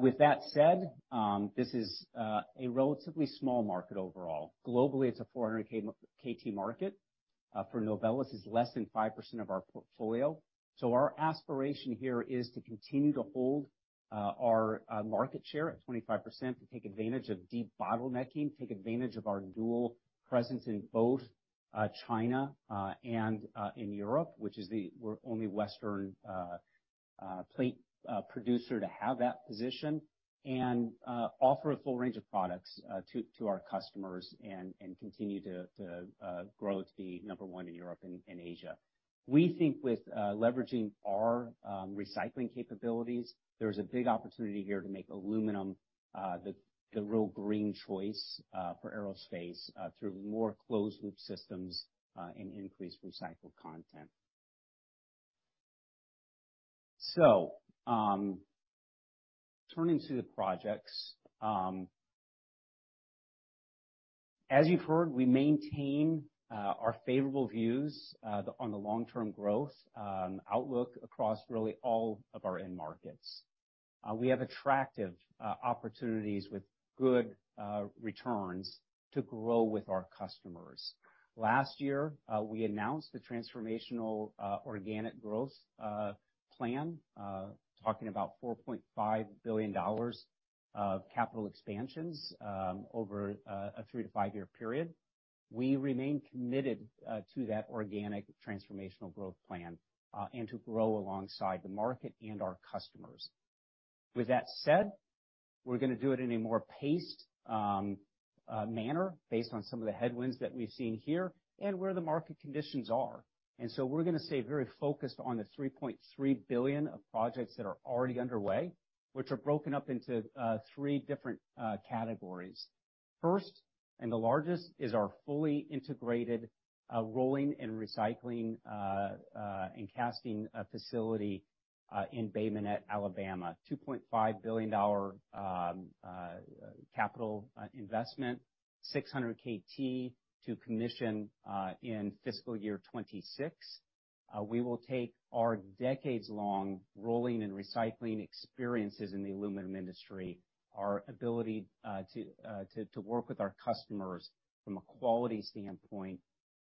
With that said, this is a relatively small market overall. Globally, it's a 400 kt market. For Novelis it's less than 5% of our portfolio. Our aspiration here is to continue to hold our market share at 25% to take advantage of deep bottlenecking, take advantage of our dual presence in both China and in Europe, which is the only Western plate producer to have that position, and offer a full range of products to our customers and continue to grow to be number one in Europe and Asia. We think with leveraging our recycling capabilities, there's a big opportunity here to make aluminum the real green choice for aerospace through more closed loop systems and increased recycled content. Turning to the projects. As you've heard, we maintain our favorable views on the long-term growth outlook across really all of our end markets. We have attractive opportunities with good returns to grow with our customers. Last year, we announced the transformational organic growth plan, talking about $4.5 billion of capital expansions over a three to five year period. We remain committed to that organic transformational growth plan and to grow alongside the market and our customers. With that said, we're gonna do it in a more paced manner based on some of the headwinds that we've seen here and where the market conditions are. We're gonna stay very focused on the $3.3 billion of projects that are already underway, which are broken up into three different categories. First, and the largest, is our fully integrated rolling and recycling and casting facility in Bay Minette, Alabama. $2.5 billion capital investment, 600 kt to commission in fiscal year 2026. We will take our decades-long rolling and recycling experiences in the aluminum industry, our ability to work with our customers from a quality standpoint,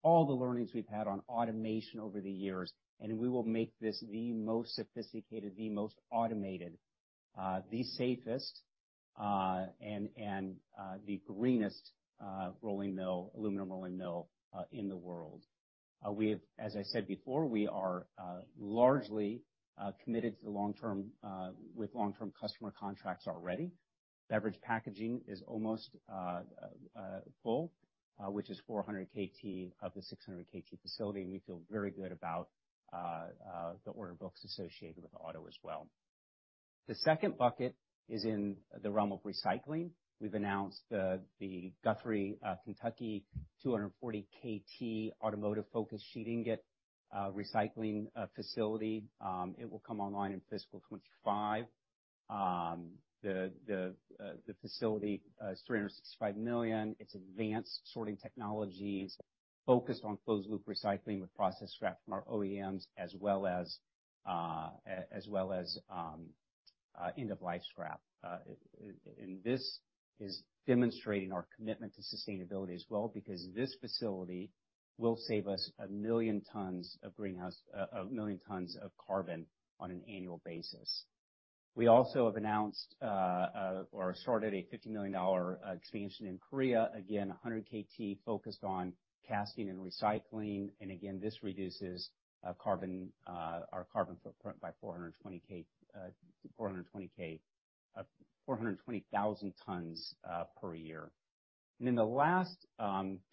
all the learnings we've had on automation over the years, and we will make this the most sophisticated, the most automated, the safest, and the greenest rolling mill, aluminum rolling mill, in the world. We have, as I said before, we are largely committed to the long term, with long-term customer contracts already. Beverage packaging is almost full, which is 400 kt of the 600 kt facility, and we feel very good about the order books associated with auto as well. The second bucket is in the realm of recycling. We've announced the Guthrie, Kentucky 240 kt automotive-focused sheet ingot recycling facility. It will come online in fiscal 2025. The facility is $365 million. It's advanced sorting technologies focused on closed loop recycling with process scrap from our OEMs as well as end-of-life scrap. This is demonstrating our commitment to sustainability as well because this facility will save us 1 million tons of greenhouse, 1 million tons of carbon on an annual basis. We also have announced or started a $50 million expansion in Korea, again, 100 kt focused on casting and recycling. Again, this reduces carbon, our carbon footprint by 420,000 tons per year. The last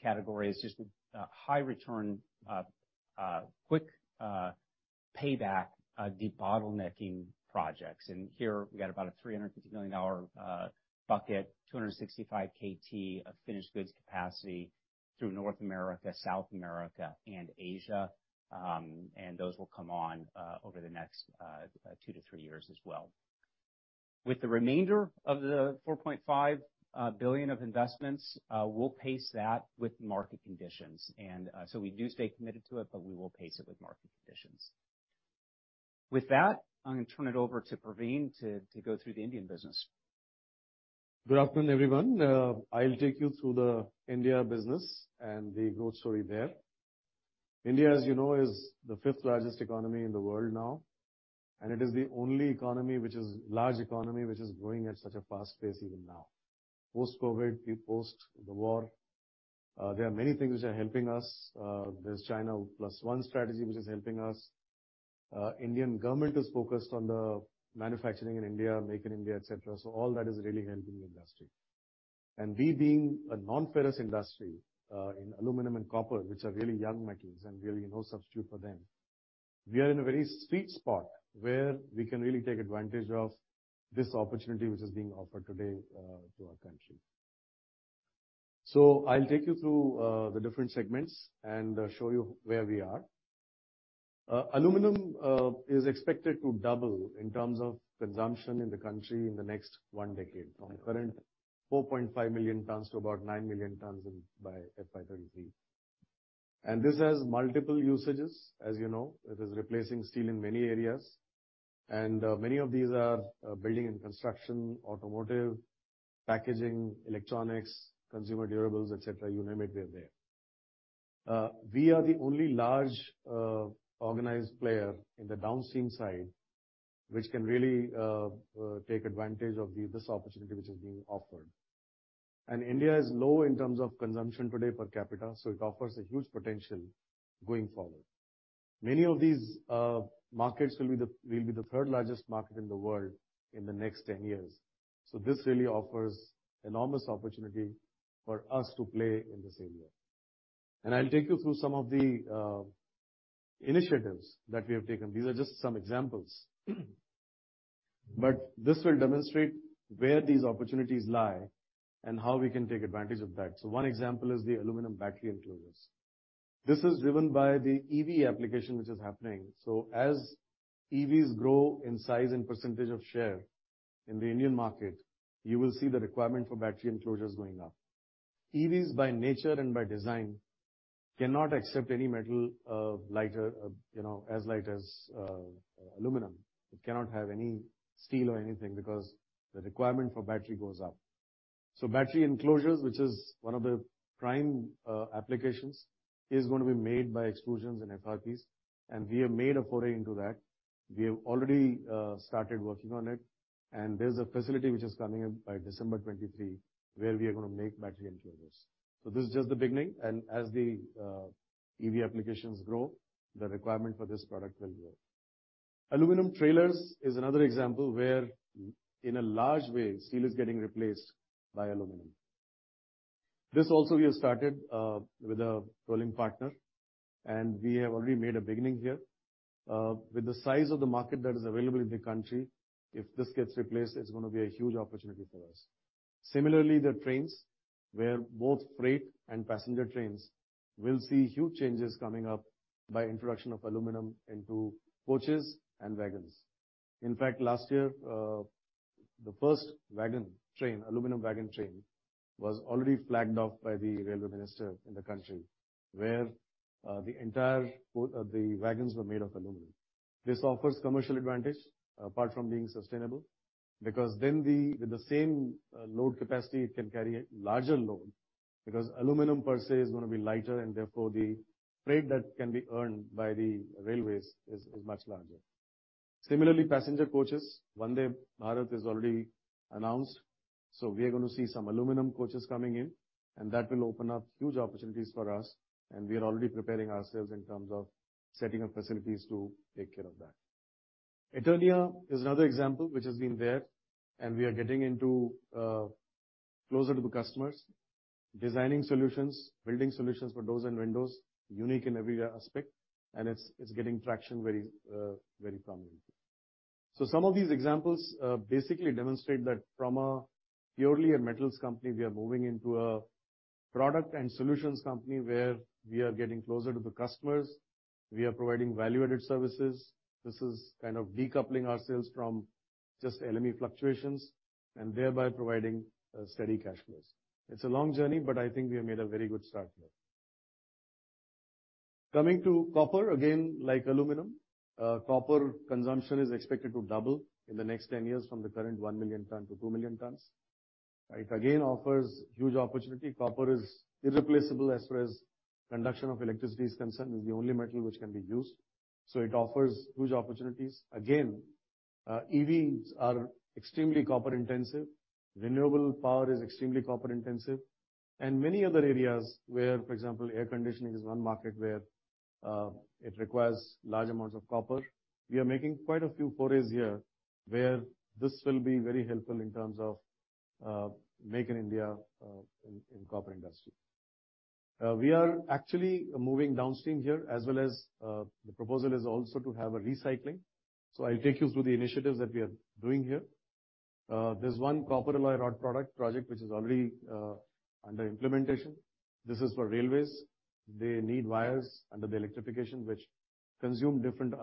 category is just a high return, quick payback debottlenecking projects. Here we've got about a $350 million bucket, 265 kt of finished goods capacity through North America, South America and Asia. Those will come on over the next two to three years as well. With the remainder of the $4.5 billion of investments, we'll pace that with market conditions. We do stay committed to it, but we will pace it with market conditions. With that, I'm gonna turn it over to Praveen to go through the Indian business. Good afternoon, everyone. I'll take you through the India business and the growth story there. India, as you know, is the fifth largest economy in the world now, and it is the only economy which is large economy, which is growing at such a fast pace even now. Post-COVID, post the war, there are many things which are helping us. There's China Plus One strategy which is helping us. Indian government is focused on the manufacturing in India, making India, et cetera. All that is really helping the industry. We being a non-ferrous industry, in aluminum and copper, which are really young metals and really no substitute for them, we are in a very sweet spot where we can really take advantage of this opportunity which is being offered today, to our country. I'll take you through the different segments and show you where we are. Aluminum is expected to double in terms of consumption in the country in the next one decade from the current 4.5 million tons to about 9 million tons in by fiscal year 2023. This has multiple usages. As you know, it is replacing steel in many areas. Many of these are building and construction, automotive, packaging, electronics, consumer durables, et cetera. You name it, they're there. We are the only large organized player in the downstream side, which can really take advantage of this opportunity which is being offered. India is low in terms of consumption today per capita, so it offers a huge potential going forward. Many of these markets will be the third largest market in the world in the next ten years. This really offers enormous opportunity for us to play in this area. I'll take you through some of the initiatives that we have taken. These are just some examples. This will demonstrate where these opportunities lie and how we can take advantage of that. One example is the aluminum battery enclosures. This is driven by the EV application which is happening. As EVs grow in size and a percentage of share in the Indian market, you will see the requirement for battery enclosures going up. EVs by nature and by design cannot accept any metal, lighter, you know, as light as aluminum. It cannot have any steel or anything because the requirement for battery goes up. Battery enclosures, which is one of the prime applications, is gonna be made by exclusions and FRPs, and we have made a foray into that. We have already started working on it. There's a facility which is coming up by December 2023, where we are gonna make battery enclosures. This is just the beginning, and as the EV applications grow, the requirement for this product will grow. Aluminum trailers is another example where in a large way, steel is getting replaced by aluminum. This also we have started with a rolling partner, and we have already made a beginning here. With the size of the market that is available in the country, if this gets replaced, it's gonna be a huge opportunity for us. Similarly, the trains, where both freight and passenger trains will see huge changes coming up by introduction of aluminum into coaches and wagons. In fact, last year, the first wagon train, aluminum wagon train, was already flagged off by the railway minister in the country, where the entire, the wagons were made of aluminum. This offers commercial advantage apart from being sustainable, because then the, with the same load capacity, it can carry a larger load because aluminum per se is gonna be lighter and therefore the freight that can be earned by the railways is much larger. Similarly, passenger coaches, Vande Bharat is already announced, so we are gonna see some aluminum coaches coming in and that will open up huge opportunities for us and we are already preparing ourselves in terms of setting up facilities to take care of that. Eternia is another example which has been there and we are getting into closer to the customers, designing solutions, building solutions for doors and windows, unique in every aspect and it's getting traction very prominently. Some of these examples basically demonstrate that from a purely a metals company we are moving into a product and solutions company where we are getting closer to the customers. We are providing value-added services. This is kind of decoupling ourselves from just LME fluctuations and thereby providing a steady cash flows. It's a long journey, but I think we have made a very good start here. Coming to copper, again, like aluminum, copper consumption is expected to double in the next 10 years from the current 1 million ton to 2 million tons. It again offers huge opportunity. Copper is irreplaceable as far as conduction of electricity is concerned. It's the only metal which can be used. It offers huge opportunities. Again, EVs are extremely copper intensive. Renewable power is extremely copper intensive. Many other areas where, for example, air conditioning is one market where it requires large amounts of copper. We are making quite a few forays here, where this will be very helpful in terms of making India in copper industry. We are actually moving downstream here, as well as the proposal is also to have a recycling. I'll take you through the initiatives that we are doing here. There's one copper alloy rod product project which is already under implementation. This is for railways. They need wires under the electrification, which consume different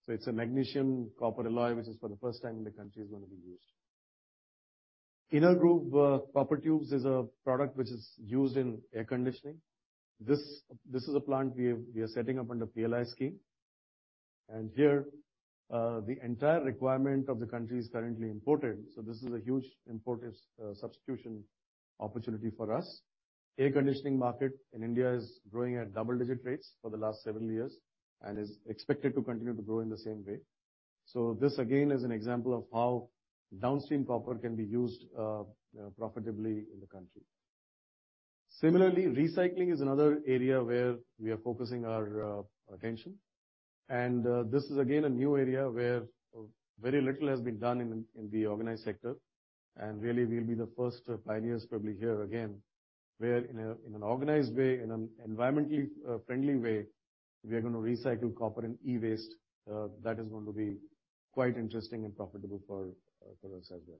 alloys of copper. We are pioneers here, and we are going to see more and more usage of this. It's a magnesium copper alloy, which is for the first time in the country is gonna be used. inner grooved copper tubes is a product which is used in air conditioning. This is a plant we are setting up under PLI scheme. Here, the entire requirement of the country is currently imported, so this is a huge import substitution opportunity for us. Air conditioning market in India is growing at double-digit rates for the last seven years, and is expected to continue to grow in the same way. This again, is an example of how downstream copper can be used, you know, profitably in the country. Similarly, recycling is another area where we are focusing our attention. This is again a new area where very little has been done in the organized sector. Really, we'll be the first pioneers probably here again, where in an organized way, in an environmentally friendly way, we are going to recycle copper and e-waste. That is going to be quite interesting and profitable for us as well.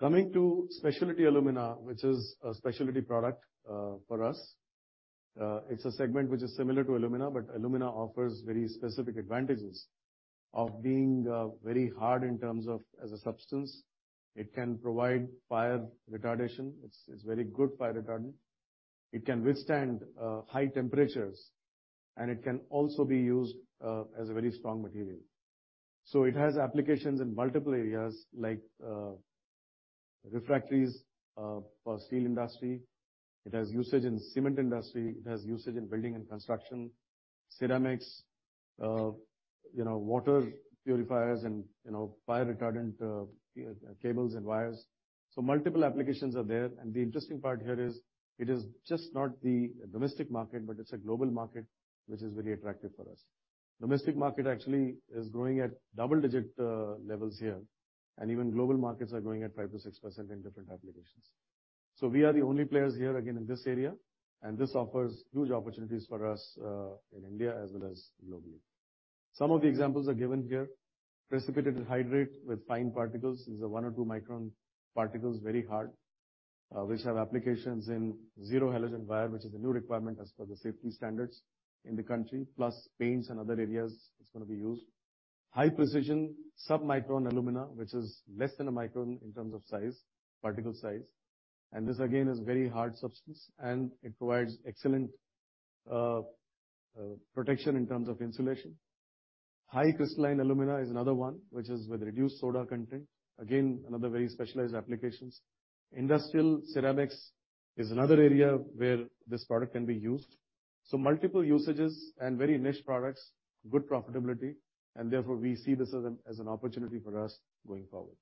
Coming to specialty alumina, which is a specialty product for us. It's a segment which is similar to alumina, but alumina offers very specific advantages of being very hard in terms of as a substance. It can provide fire retardation. It's very good fire retardant. It can withstand high temperatures, and it can also be used as a very strong material. It has applications in multiple areas like refractories for steel industry. It has usage in cement industry. It has usage in building and construction, ceramics, you know, water purifiers and, you know, fire retardant cables and wires. Multiple applications are there. The interesting part here is, it is just not the domestic market, but it's a global market which is very attractive for us. Domestic market actually is growing at double-digit levels here, and even global markets are growing at 5%-6% in different applications. We are the only players here again in this area, and this offers huge opportunities for us in India as well as globally. Some of the examples are given here. precipitated hydrate with fine particles. These are 1 or 2 micron particles, very hard, which have applications in zero halogen wire, which is a new requirement as per the safety standards in the country, plus paints and other areas it's gonna be used. High precision sub-micron alumina, which is less than 1 micron in terms of size, particle size. This, again, is very hard substance, and it provides excellent protection in terms of insulation. High Crystalline Alumina is another one, which is with reduced soda content. Another very specialized applications. Industrial ceramics is another area where this product can be used. Multiple usages and very niche products, good profitability, and therefore, we see this as an opportunity for us going forward.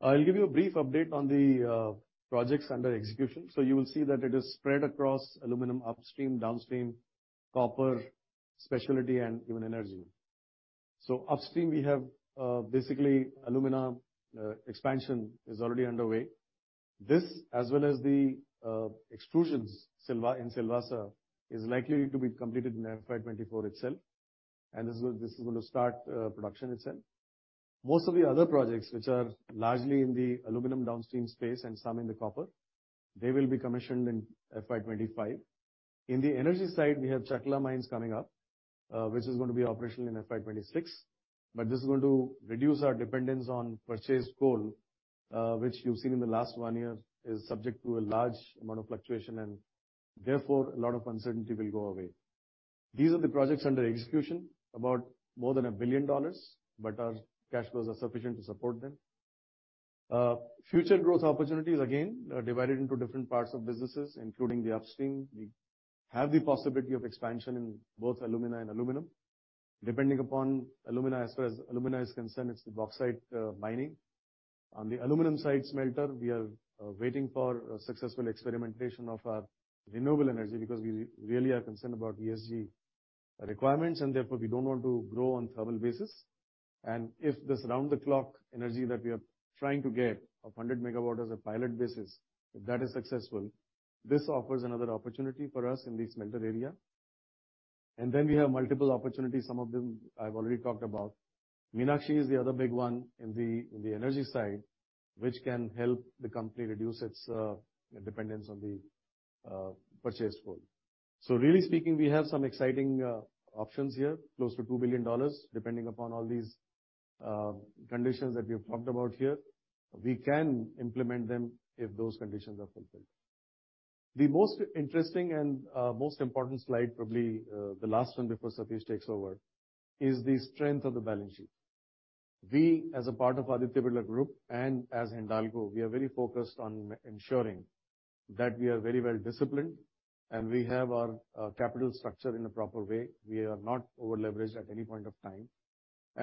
I'll give you a brief update on the projects under execution. You will see that it is spread across aluminum upstream, downstream, copper, specialty, and even energy. Upstream, we have, basically alumina. Expansion is already underway. This, as well as the extrusions in Silvassa, is likely to be completed in FY 2024 itself. This is gonna start production itself. Most of the other projects, which are largely in the aluminum downstream space and some in the copper, they will be commissioned in FY 2025. In the energy side, we have Chakla mines coming up, which is gonna be operational in FY 2026. This is going to reduce our dependence on purchased coal, which you've seen in the last one year is subject to a large amount of fluctuation and therefore a lot of uncertainty will go away. These are the projects under execution, about more than $1 billion, but our cash flows are sufficient to support them. Future growth opportunities, again, are divided into different parts of businesses, including the upstream. We have the possibility of expansion in both alumina and aluminum. Depending upon alumina, as far as alumina is concerned, it's the bauxite mining. On the aluminum side smelter, we are waiting for a successful experimentation of renewable energy because we really are concerned about ESG requirements and therefore we don't want to grow on thermal basis. If this round-the-clock energy that we are trying to get of 100 megawatts as a pilot basis, if that is successful, this offers another opportunity for us in the smelter area. Then we have multiple opportunities. Some of them I've already talked about. Meenakshi is the other big one in the energy side, which can help the company reduce its dependence on the purchased coal. Really speaking, we have some exciting options here, close to $2 billion. Depending upon all these conditions that we have talked about here, we can implement them if those conditions are fulfilled. The most interesting and most important slide, probably, the last one before Satish takes over, is the strength of the balance sheet. We, as a part of Aditya Birla Group and as Hindalco, we are very focused on ensuring that we are very well disciplined and we have our capital structure in a proper way. We are not over-leveraged at any point of time.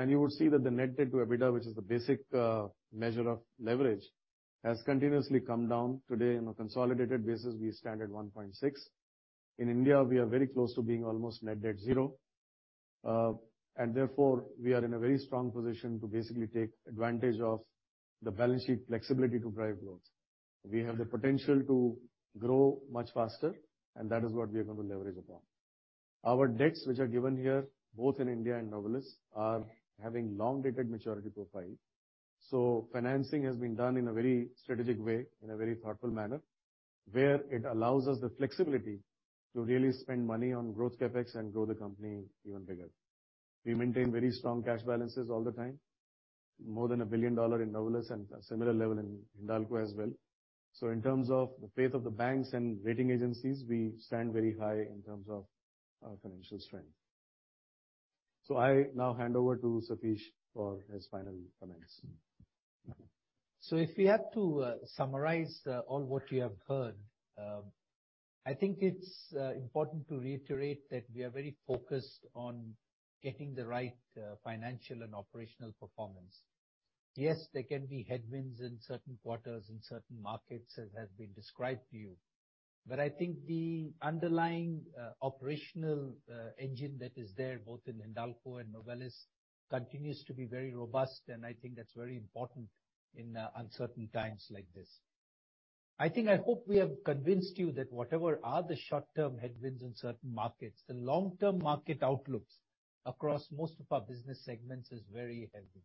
You will see that the net debt to EBITDA, which is the basic measure of leverage, has continuously come down. Today, on a consolidated basis, we stand at 1.6. In India, we are very close to being almost net debt zero. Therefore, we are in a very strong position to basically take advantage of the balance sheet flexibility to drive growth. We have the potential to grow much faster, and that is what we are gonna leverage upon. Our debts which are given here, both in India and Novelis, are having long-dated maturity profile. Financing has been done in a very strategic way, in a very thoughtful manner, where it allows us the flexibility to really spend money on growth CapEx and grow the company even bigger. We maintain very strong cash balances all the time, more than $1 billion in Novelis and a similar level in Hindalco as well. In terms of the faith of the banks and rating agencies, we stand very high in terms of our financial strength. I now hand over to Satish for his final comments. If we have to summarize all what you have heard, I think it's important to reiterate that we are very focused on getting the right financial and operational performance. Yes, there can be headwinds in certain quarters, in certain markets, as has been described to you. I think the underlying operational engine that is there both in Hindalco and Novelis continues to be very robust, and I think that's very important in uncertain times like this. I think I hope we have convinced you that whatever are the short-term headwinds in certain markets, the long-term market outlooks across most of our business segments is very healthy.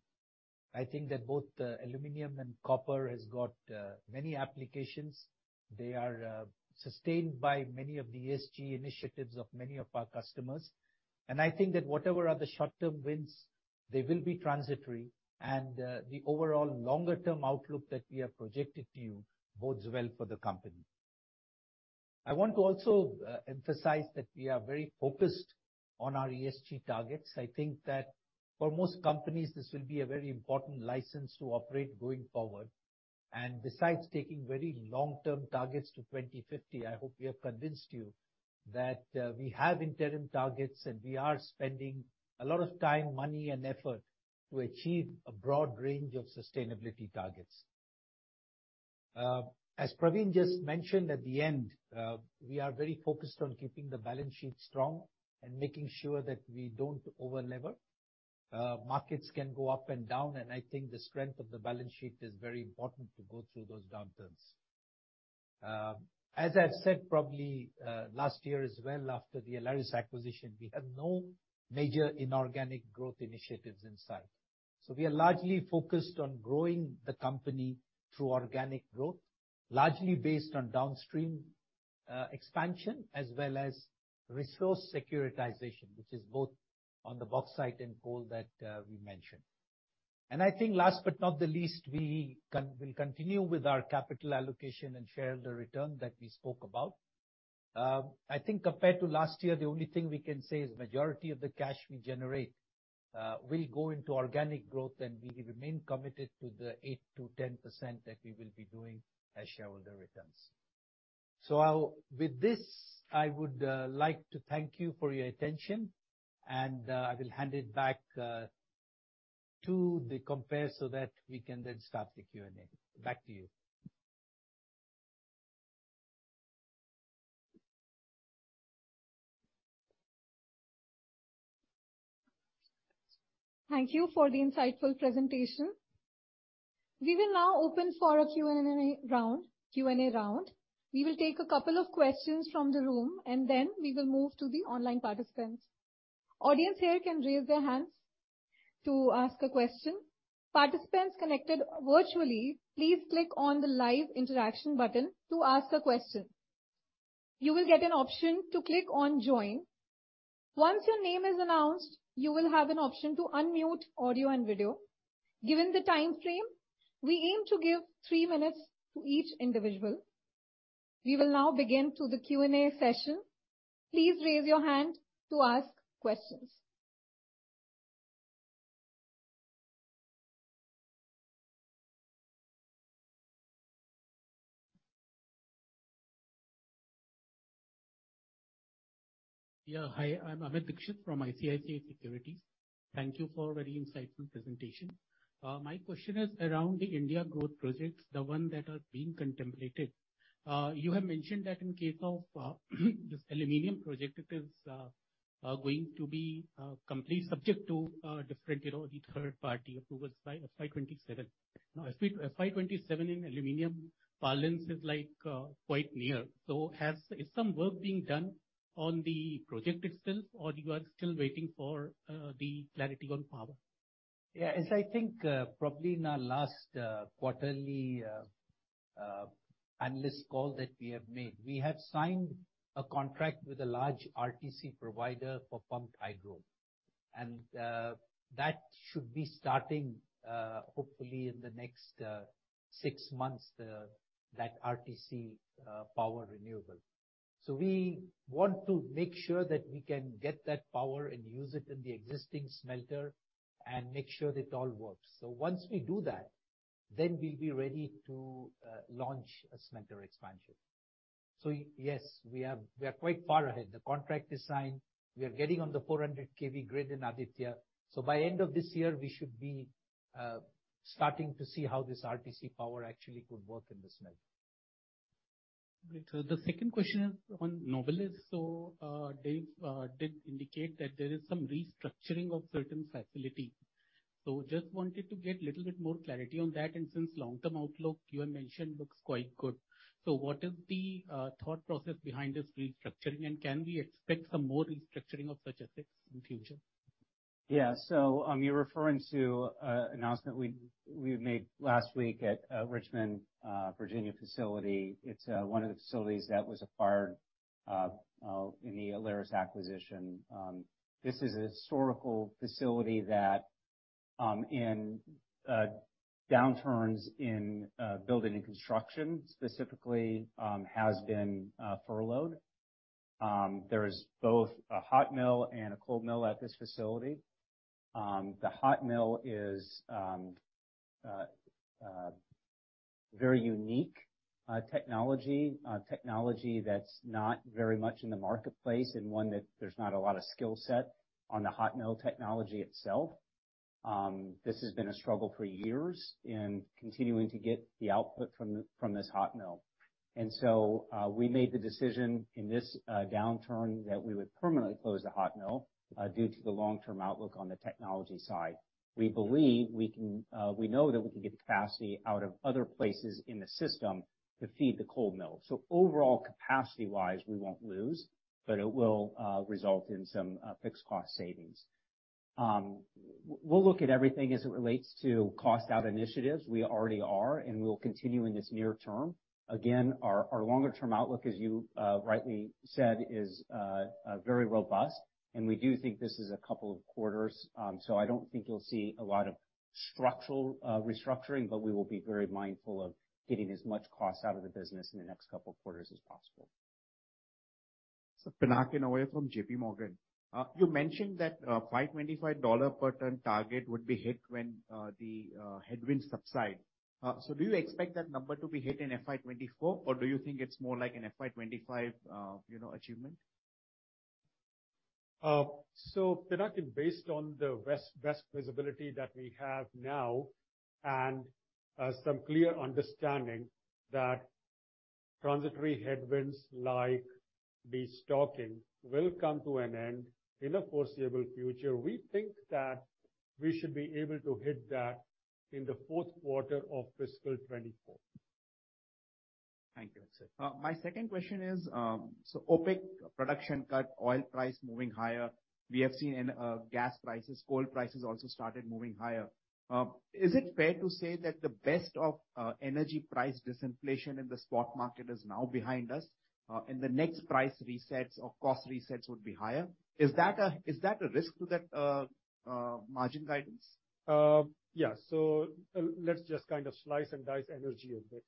I think that both aluminum and copper has got many applications. They are sustained by many of the ESG initiatives of many of our customers. I think that whatever are the short-term winds, they will be transitory. The overall longer term outlook that we have projected to you bodes well for the company. I want to also emphasize that we are very focused on our ESG targets. I think that for most companies this will be a very important license to operate going forward. Besides taking very long-term targets to 2050, I hope we have convinced you that we have interim targets, and we are spending a lot of time, money and effort to achieve a broad range of sustainability targets. As Praveen just mentioned at the end, we are very focused on keeping the balance sheet strong and making sure that we don't over-lever. Markets can go up and down. I think the strength of the balance sheet is very important to go through those downturns. As I've said probably last year as well after the Aleris acquisition, we have no major inorganic growth initiatives in sight. We are largely focused on growing the company through organic growth, largely based on downstream expansion as well as resource securitization, which is both on the bauxite and coal that we mentioned. I think last but not the least, we'll continue with our capital allocation and shareholder return that we spoke about. I think compared to last year, the only thing we can say is majority of the cash we generate will go into organic growth, and we remain committed to the 8%-10% that we will be doing as shareholder returns. With this, I would like to thank you for your attention, and I will hand it back to the compere so that we can then start the Q&A. Back to you. Thank you for the insightful presentation. We will now open for a Q&A round. We will take a couple of questions from the room, then we will move to the online participants. Audience here can raise their hands to ask a question. Participants connected virtually, please click on the Live Interaction button to ask a question. You will get an option to click on Join. Once your name is announced, you will have an option to unmute audio and video. Given the timeframe, we aim to give three minutes to each individual. We will now begin to the Q&A session. Please raise your hand to ask questions. Hi, I'm Amit Dixit from ICICI Securities. Thank you for a very insightful presentation. My question is around the India growth projects, the one that are being contemplated. You have mentioned that in case of this aluminum project, it is going to be complete subject to different, you know, the third party approvals by FY27. FY27 in aluminum balance is like quite near. Is some work being done on the project itself or you are still waiting for the clarity on power? As I think, probably in our last, quarterly, analyst call that we have made, we have signed a contract with a large RTC provider for pumped hydro. That should be starting, hopefully in the next, six months, that RTC Power renewable. We want to make sure that we can get that power and use it in the existing smelter and make sure that it all works. Once we do that, then we'll be ready to launch a smelter expansion. Yes, we are quite far ahead. The contract is signed. We are getting on the 400 kV grid in Aditya. By end of this year, we should be starting to see how this RTC power actually could work in the smelter. Great. The second question is on Novelis. Dev did indicate that there is some restructuring of certain facility. Just wanted to get a little bit more clarity on that. Since long-term outlook you have mentioned looks quite good. What is the thought process behind this restructuring, and can we expect some more restructuring of such effects in future? You're referring to a announcement we made last week at Richmond, Virginia facility. It's one of the facilities that was acquired in the Aleris acquisition. This is a historical facility that in downturns in building and construction specifically, has been furloughed. There is both a hot mill and a cold mill at this facility. The hot mill is very unique technology that's not very much in the marketplace and one that there's not a lot of skill set on the hot mill technology itself. This has been a struggle for years in continuing to get the output from this hot mill. We made the decision in this downturn that we would permanently close the hot mill due to the long-term outlook on the technology side. We believe we can, we know that we can get capacity out of other places in the system to feed the cold mill. Overall, capacity-wise, we won't lose, but it will result in some fixed cost savings. We'll look at everything as it relates to cost-out initiatives. We already are, and we'll continue in this near term. Our longer term outlook, as you rightly said, is very robust, and we do think this is a couple of quarters. I don't think you'll see a lot of structural restructuring, but we will be very mindful of getting as much cost out of the business in the next couple of quarters as possible. Pinakin Parekh from JPMorgan. You mentioned that $525 per ton target would be hit when the headwinds subside. Do you expect that number to be hit in FY 2024, or do you think it's more like an FY 2025, you know, achievement? Pinakin, based on the best visibility that we have now and some clear understanding that transitory headwinds like destocking will come to an end in the foreseeable future, we think that we should be able to hit that in the fourth quarter of fiscal 2024. Thank you, sir. My second question is, so OPEC production cut oil price moving higher. We have seen in gas prices, coal prices also started moving higher. Is it fair to say that the best of energy price disinflation in the spot market is now behind us, and the next price resets or cost resets would be higher? Is that a risk to that margin guidance? Yeah. Let's just kind of slice and dice energy a bit.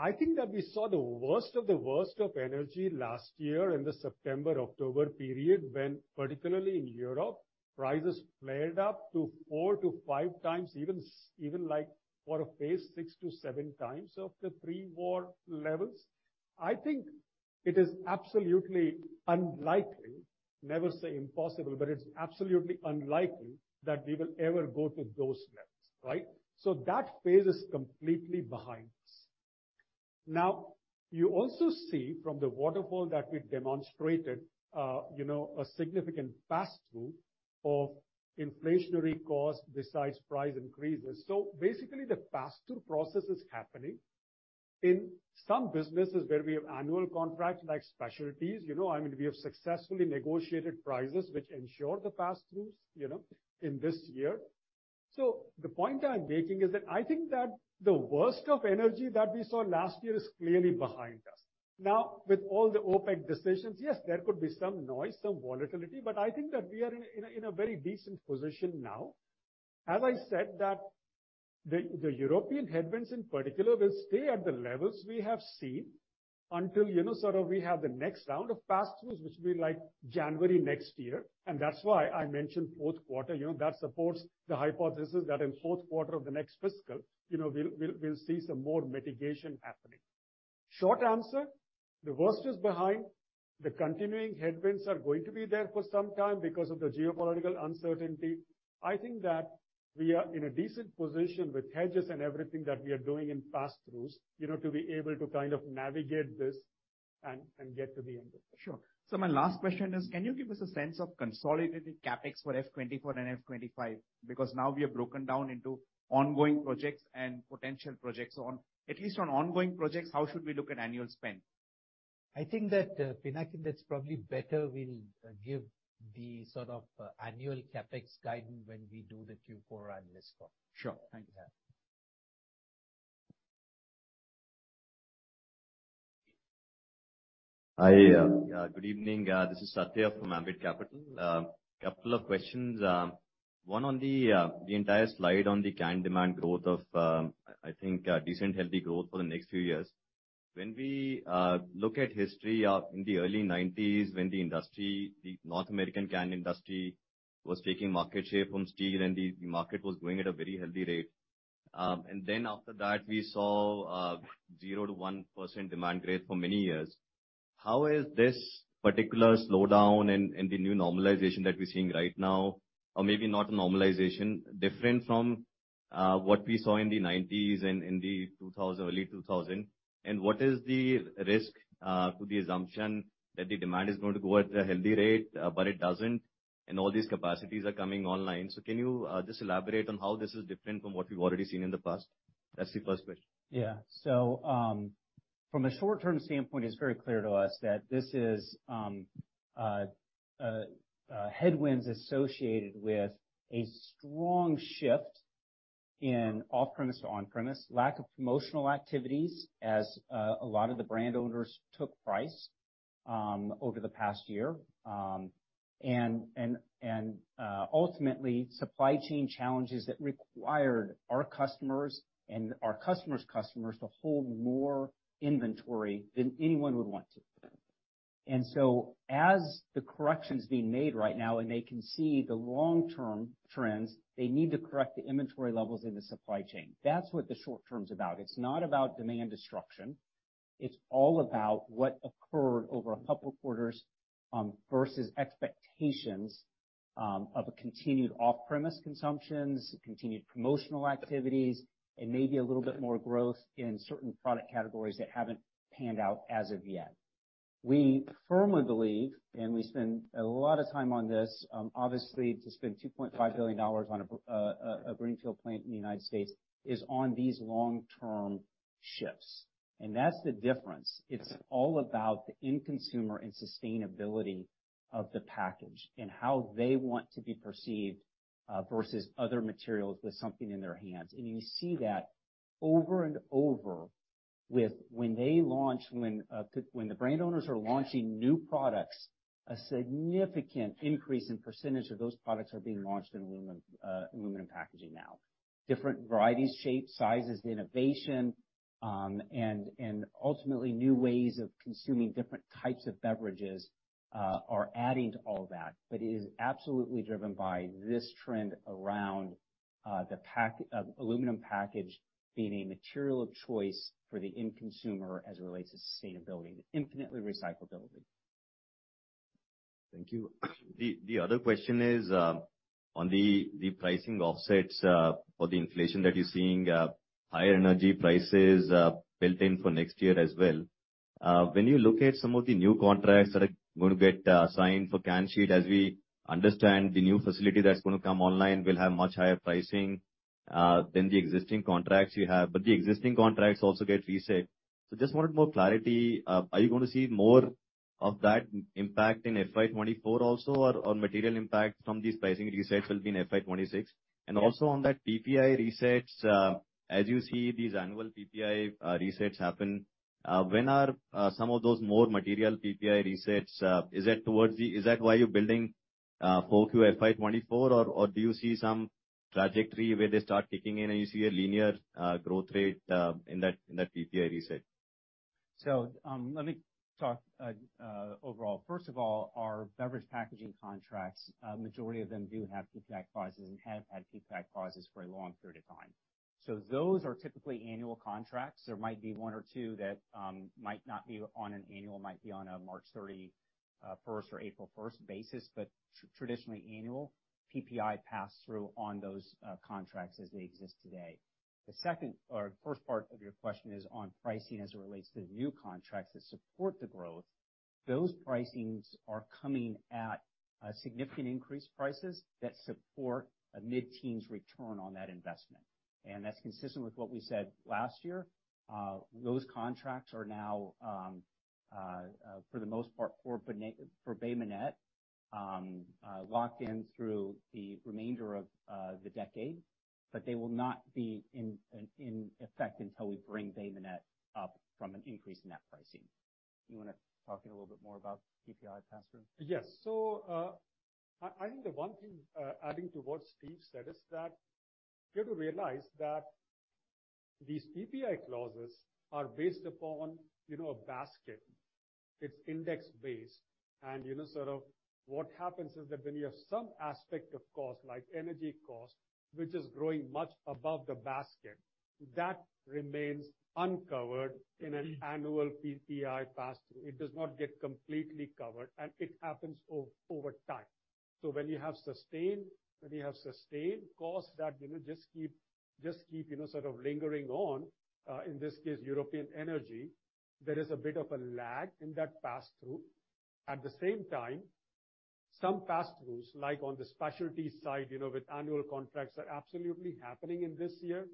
I think that we saw the worst of the worst of energy last year in the September-October period, when, particularly in Europe, prices flared up to 4x to 5x even 6x to 7x of the pre-war levels. I think it is absolutely unlikely, never say impossible, but it's absolutely unlikely that we will ever go to those levels, right? That phase is completely behind us. Now, you also see from the waterfall that we've demonstrated, you know, a significant pass-through of inflationary costs besides price increases. Basically, the pass-through process is happening. In some businesses where we have annual contracts like specialties, you know, I mean, we have successfully negotiated prices which ensure the pass-throughs, you know, in this year. The point I'm making is that I think that the worst of energy that we saw last year is clearly behind us. With all the OPEC decisions, yes, there could be some noise, some volatility, but I think that we are in a very decent position now. I said that the European headwinds in particular will stay at the levels we have seen until, you know, sort of we have the next round of pass-throughs, which will be like January next year. That's why I mentioned fourth quarter. You know, that supports the hypothesis that in fourth quarter of the next fiscal, you know, we'll see some more mitigation happening. Short answer, the worst is behind. The continuing headwinds are going to be there for some time because of the geopolitical uncertainty. I think that we are in a decent position with hedges and everything that we are doing in pass-throughs, you know, to be able to kind of navigate this and get to the end of it. My last question is, can you give us a sense of consolidated CapEx for FY24 and FY25? Because now we have broken down into ongoing projects and potential projects. At least on ongoing projects, how should we look at annual spend? I think that, Pinakin, that's probably better we'll give the sort of annual CapEx guidance when we do the Q4 analyst call. Sure. Thank you. Yeah. Hi. Good evening. This is Satyadeep from Ambit Capital. A couple of questions. One on the entire slide on the can demand growth, I think decent, healthy growth for the next few years. When we look at history, in the early nineties when the industry, the North American can industry was taking market share from steel and the market was growing at a very healthy rate. After that, we saw 0-1% demand growth for many years. How is this particular slowdown and the new normalization that we're seeing right now, or maybe not normalization, different from what we saw in the nineties and in the early 2000s? What is the risk to the assumption that the demand is going to grow at a healthy rate, but it doesn't and all these capacities are coming online? Can you just elaborate on how this is different from what we've already seen in the past? That's the first question. Yeah. From a short-term standpoint, it's very clear to us that this is headwinds associated with a strong shift in off-premise to on-premise, lack of promotional activities as a lot of the brand owners took price over the past year. Ultimately, supply chain challenges that required our customers and our customers' customers to hold more inventory than anyone would want to. As the correction's being made right now, and they can see the long-term trends, they need to correct the inventory levels in the supply chain. That's what the short term is about. It's not about demand destruction. It's all about what occurred over a couple quarters versus expectations of a continued off-premise consumptions, continued promotional activities, and maybe a little bit more growth in certain product categories that haven't panned out as of yet. We firmly believe, we spend a lot of time on this, obviously to spend $2.5 billion on a Greenfield plant in the United States is on these long-term shifts. That's the difference. It's all about the end consumer and sustainability of the package and how they want to be perceived versus other materials with something in their hands. You see that over and over with when the brand owners are launching new products, a significant increase in percentage of those products are being launched in aluminum packaging now. Different varieties, shapes, sizes, innovation and ultimately new ways of consuming different types of beverages are adding to all that. It is absolutely driven by this trend around the aluminum package being a material of choice for the end consumer as it relates to sustainability and infinitely recyclability. Thank you. The other question is on the pricing offsets for the inflation that you're seeing, higher energy prices, built in for next year as well. When you look at some of the new contracts that are gonna get signed for can sheet, as we understand, the new facility that's gonna come online will have much higher pricing than the existing contracts you have. The existing contracts also get reset. Just wanted more clarity. Are you gonna see more of that impact in FY 2024 also, or material impact from these pricing resets will be in FY 2026? Also on that PPI resets, as you see these annual PPI resets happen, when are some of those more material PPI resets? Is that why you're building full Q FY24? Or do you see some trajectory where they start kicking in and you see a linear growth rate in that PPI reset? Let me talk overall. First of all, our beverage packaging contracts, majority of them do have PPI clauses and have had PPI clauses for a long period of time. Those are typically annual contracts. There might be one or two that might not be on an annual, might be on a March 31st or April 1st basis. Traditionally annual PPI pass through on those contracts as they exist today. The second or first part of your question is on pricing as it relates to new contracts that support the growth. Those pricings are coming at a significant increased prices that support a mid-teens return on that investment. That's consistent with what we said last year. Those contracts are now, for the most part, for Bay Minette, locked in through the remainder of the decade. They will not be in effect until we bring Bay Minette up from an increase in that pricing. You wanna talk a little bit more about PPI pass-through? Yes. I think the one thing adding to what Steve said is that you have to realize that these PPI clauses are based upon, you know, a basket. It's index-based. You know, sort of what happens is that when you have some aspect of cost, like energy cost, which is growing much above the basket, that remains uncovered in an annual PPI pass-through. It does not get completely covered, and it happens over time. When you have sustained costs that, you know, just keep, you know, sort of lingering on, in this case, European energy, there is a bit of a lag in that pass-through. At the same time, some pass-throughs, like on the specialty side, you know, with annual contracts, are absolutely happening in this year.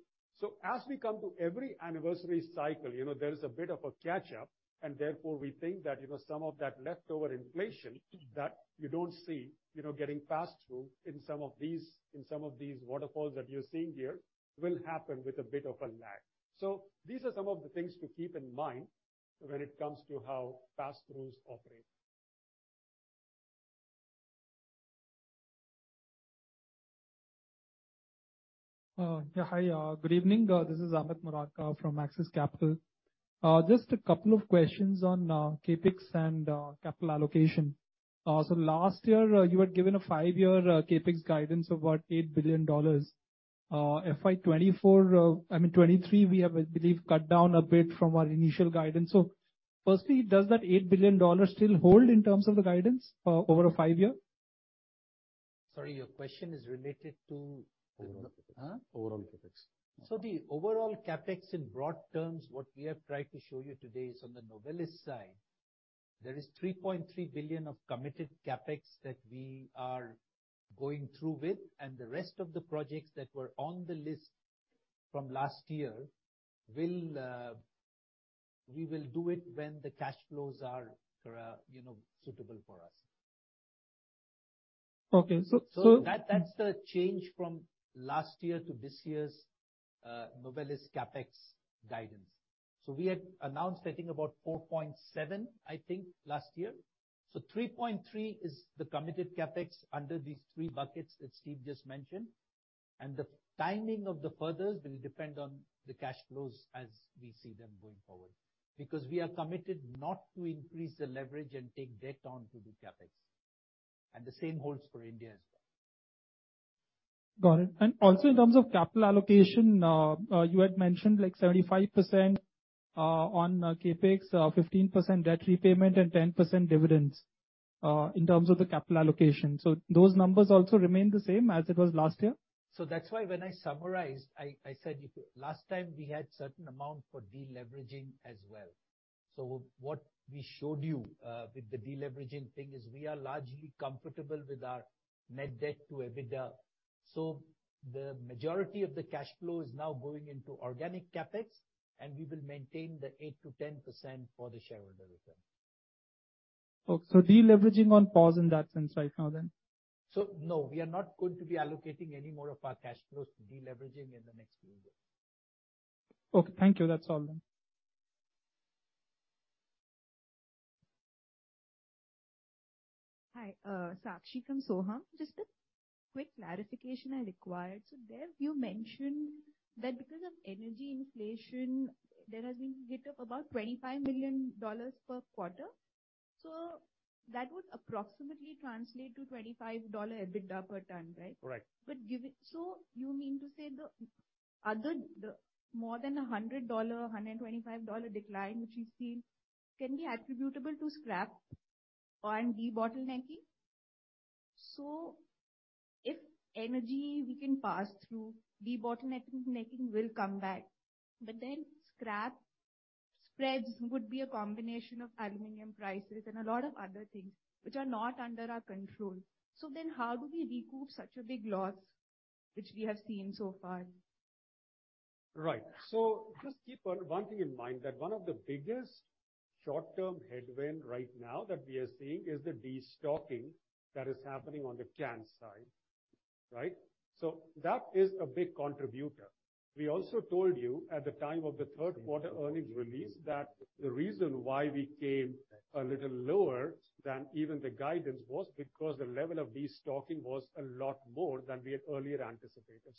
As we come to every anniversary cycle, you know, there is a bit of a catch-up, and therefore we think that, you know, some of that leftover inflation that you don't see, you know, getting passed through in some of these, in some of these waterfalls that you're seeing here will happen with a bit of a lag. These are some of the things to keep in mind when it comes to how pass-throughs operate. Hi, good evening. This is Amit Murarka from Axis Capital. Just a couple of questions on CapEx and capital allocation. Last year, you had given a five-year CapEx guidance of, what, $8 billion. FY 2024, I mean, 2023 we have, I believe, cut down a bit from our initial guidance. Firstly, does that $8 billion still hold in terms of the guidance over a five year? Sorry, your question is related to. Overall CapEx. The overall CapEx in broad terms, what we have tried to show you today is on the Novelis side, there is $3.3 billion of committed CapEx that we are going through with, and the rest of the projects that were on the list from last year will, we will do it when the cash flows are, you know, suitable for us. Okay. That's the change from last year to this year's Novelis CapEx guidance. We had announced, I think about $4.7 billion, I think, last year. $3.3 billion is the committed CapEx under these three buckets that Steve just mentioned. The timing of the furthers will depend on the cash flows as we see them going forward. We are committed not to increase the leverage and take debt on to the CapEx. The same holds for India as well. Got it. In terms of capital allocation, you had mentioned like 75% on CapEx, 15% debt repayment and 10% dividends in terms of the capital allocation. Those numbers also remain the same as it was last year? That's why when I summarized, I said last time we had certain amount for de-leveraging as well. What we showed you with the de-leveraging thing is we are largely comfortable with our net debt to EBITDA. The majority of the cash flow is now going into organic CapEx, and we will maintain the 8% to 10% for the shareholder return. Okay. De-leveraging on pause in that sense right now then? No, we are not going to be allocating any more of our cash flows to de-leveraging in the next few years. Okay. Thank you. That's all then. Hi, Sakshi from Sohum. Just a quick clarification I required. There you mentioned that because of energy inflation there has been a hit of about $25 million per quarter. That would approximately translate to $25 EBITDA per ton, right? Correct. You mean to say the more than a $100, $125 decline which we've seen can be attributable to scrap and de-bottlenecking? If energy we can pass through, de-bottlenecking will come back, scrap spreads would be a combination of aluminum prices and a lot of other things which are not under our control. How do we recoup such a big loss, which we have seen so far? Right. Just keep one thing in mind, that one of the biggest short-term headwind right now that we are seeing is the destocking that is happening on the can side, right? That is a big contributor. We also told you at the time of the third quarter earnings release that the reason why we came a little lower than even the guidance was because the level of destocking was a lot more than we had earlier anticipated.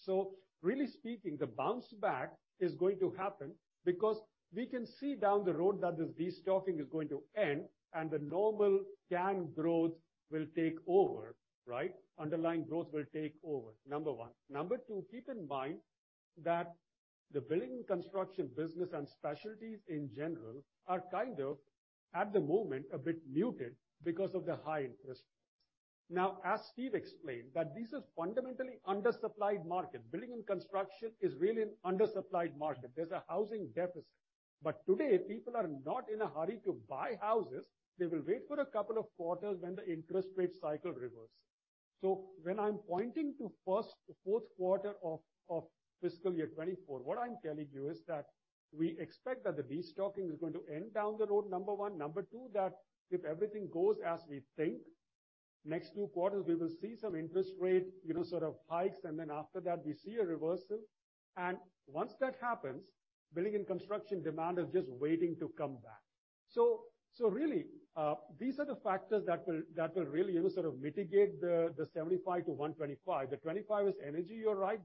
Really speaking, the bounce back is going to happen because we can see down the road that this destocking is going to end and the normal can growth will take over, right? Underlying growth will take over. Number one. Number two, keep in mind that the building and construction business and specialties in general are kind of at the moment a bit muted because of the high interest rates. As Steve explained, this is fundamentally undersupplied market. Building and construction is really an undersupplied market. There's a housing deficit. Today people are not in a hurry to buy houses. They will wait for a couple of quarters when the interest rate cycle reverse. When I'm pointing to first, fourth quarter of fiscal year 2024, what I'm telling you is that we expect that the destocking is going to end down the road, number one. Number two, that if everything goes as we think, next two quarters we will see some interest rate, you know, sort of hikes then after that we see a reversal. Once that happens, building and construction demand is just waiting to come back. So really, these are the factors that will really, you know, sort of mitigate the 75 to 125. The 25 is energy, you're right.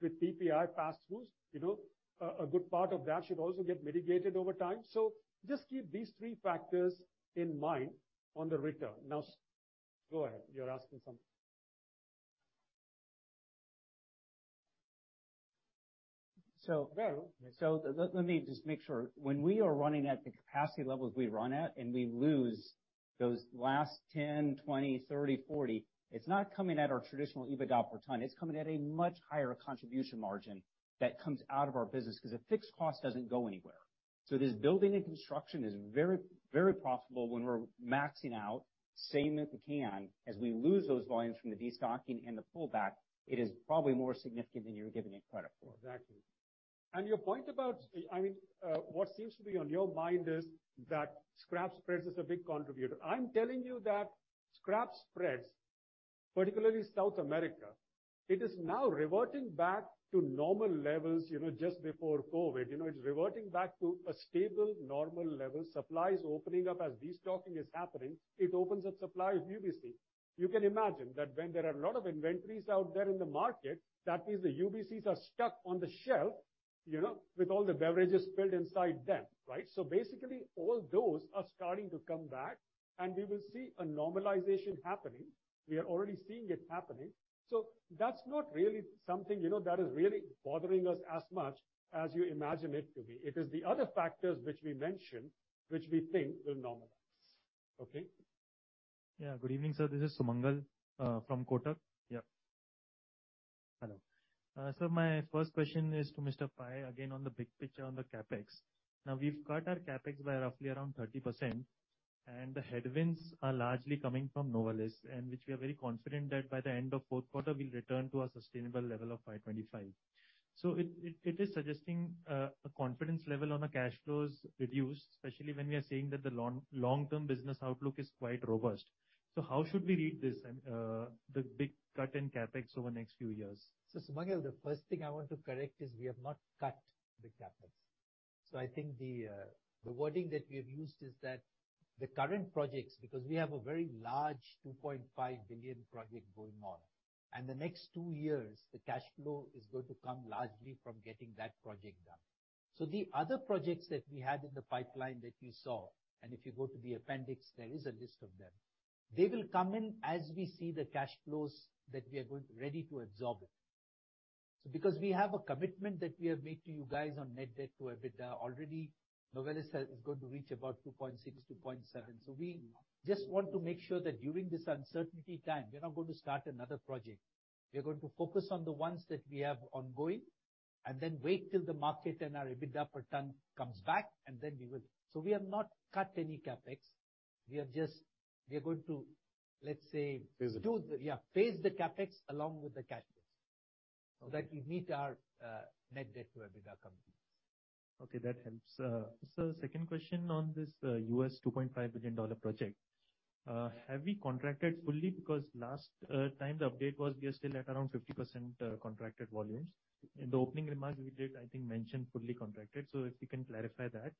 With PPI pass-throughs, you know, a good part of that should also get mitigated over time. Just keep these three factors in mind on the return. Go ahead. You're asking something. Let me just make sure. When we are running at the capacity levels we run at and we lose those last $10, $20$, 30, $40, it's not coming at our traditional EBITDA per ton. It's coming at a much higher contribution margin that comes out of our business, 'cause a fixed cost doesn't go anywhere. This building and construction is very, very profitable when we're maxing out, same as the can. As we lose those volumes from the destocking and the pullback, it is probably more significant than you're giving it credit for. Exactly. Your point about, I mean, what seems to be on your mind is that scrap spreads is a big contributor. I'm telling you that scrap spreads. Particularly South America, it is now reverting back to normal levels, you know, just before COVID. You know, it's reverting back to a stable, normal level. Supply is opening up as destocking is happening, it opens up supply of UBC. You can imagine that when there are a lot of inventories out there in the market, that means the UBCs are stuck on the shelf, you know, with all the beverages filled inside them, right? Basically, all those are starting to come back and we will see a normalization happening. We are already seeing it happening. That's not really something, you know, that is really bothering us as much as you imagine it to be. It is the other factors which we mentioned, which we think will normalize. Okay? Good evening, sir, this is Sumangal from Kotak. Hello. My first question is to Mr. Pai, again, on the big picture on the CapEx. Now, we've cut our CapEx by roughly around 30%, and the headwinds are largely coming from Novelis, and which we are very confident that by the end of fourth quarter, we'll return to our sustainable level of $525. It is suggesting a confidence level on the cash flows reduced, especially when we are saying that the long term business outlook is quite robust. How should we read this and the big cut in CapEx over the next few years? Sumangal, the first thing I want to correct is we have not cut the CapEx. I think the wording that we have used is that the current projects, because we have a very large $2.5 billion project going on, and the next two years, the cash flow is going to come largely from getting that project done. The other projects that we had in the pipeline that you saw, and if you go to the appendix, there is a list of them. They will come in as we see the cash flows that we are going to ready to absorb it. Because we have a commitment that we have made to you guys on net debt to EBITDA, already Novelis is going to reach about 2.6x-2.7x. We just want to make sure that during this uncertainty time, we are not going to start another project. We are going to focus on the ones that we have ongoing and then wait till the market and our EBITDA per ton comes back and then we will. We have not cut any CapEx. We are just going to. Phase it. Phase the CapEx along with the cash flows, so that we meet our net debt to EBITDA commitments. Okay, that helps. Second question on this US $2.5 billion project. Have we contracted fully? Because last time the update was we are still at around 50% contracted volumes. In the opening remarks, we did, I think, mention fully contracted. If you can clarify that.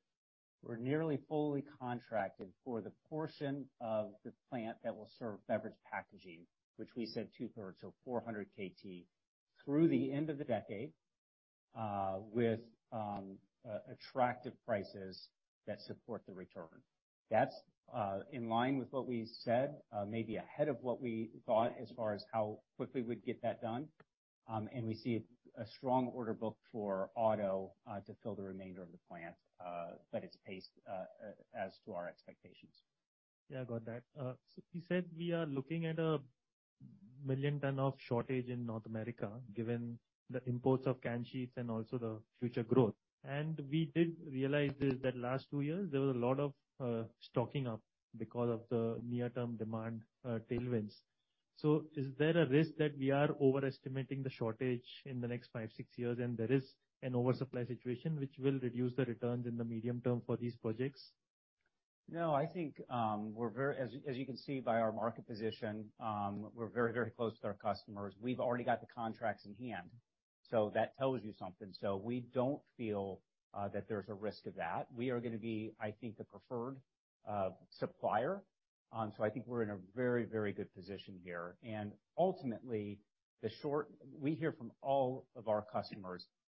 We're nearly fully contracted for the portion of the plant that will serve beverage packaging, which we said two-thirds, so 400 kt, through the end of the decade, with attractive prices that support the return. That's in line with what we said, maybe ahead of what we thought as far as how quickly we'd get that done. We see a strong order book for auto to fill the remainder of the plant, but it's paced as to our expectations. Yeah, got that. You said we are looking at 1 million tons of shortage in North America, given the imports of can sheets and also the future growth. We did realize is that last two years, there was a lot of stocking up because of the near-term demand tailwinds. Is there a risk that we are overestimating the shortage in the next five, six years and there is an oversupply situation which will reduce the returns in the medium term for these projects? No, I think, as you can see by our market position, we're very, very close to our customers. We've already got the contracts in hand. That tells you something. We don't feel that there's a risk of that. We are gonna be, I think, the preferred supplier. I think we're in a very, very good position here. Ultimately, we hear from all of our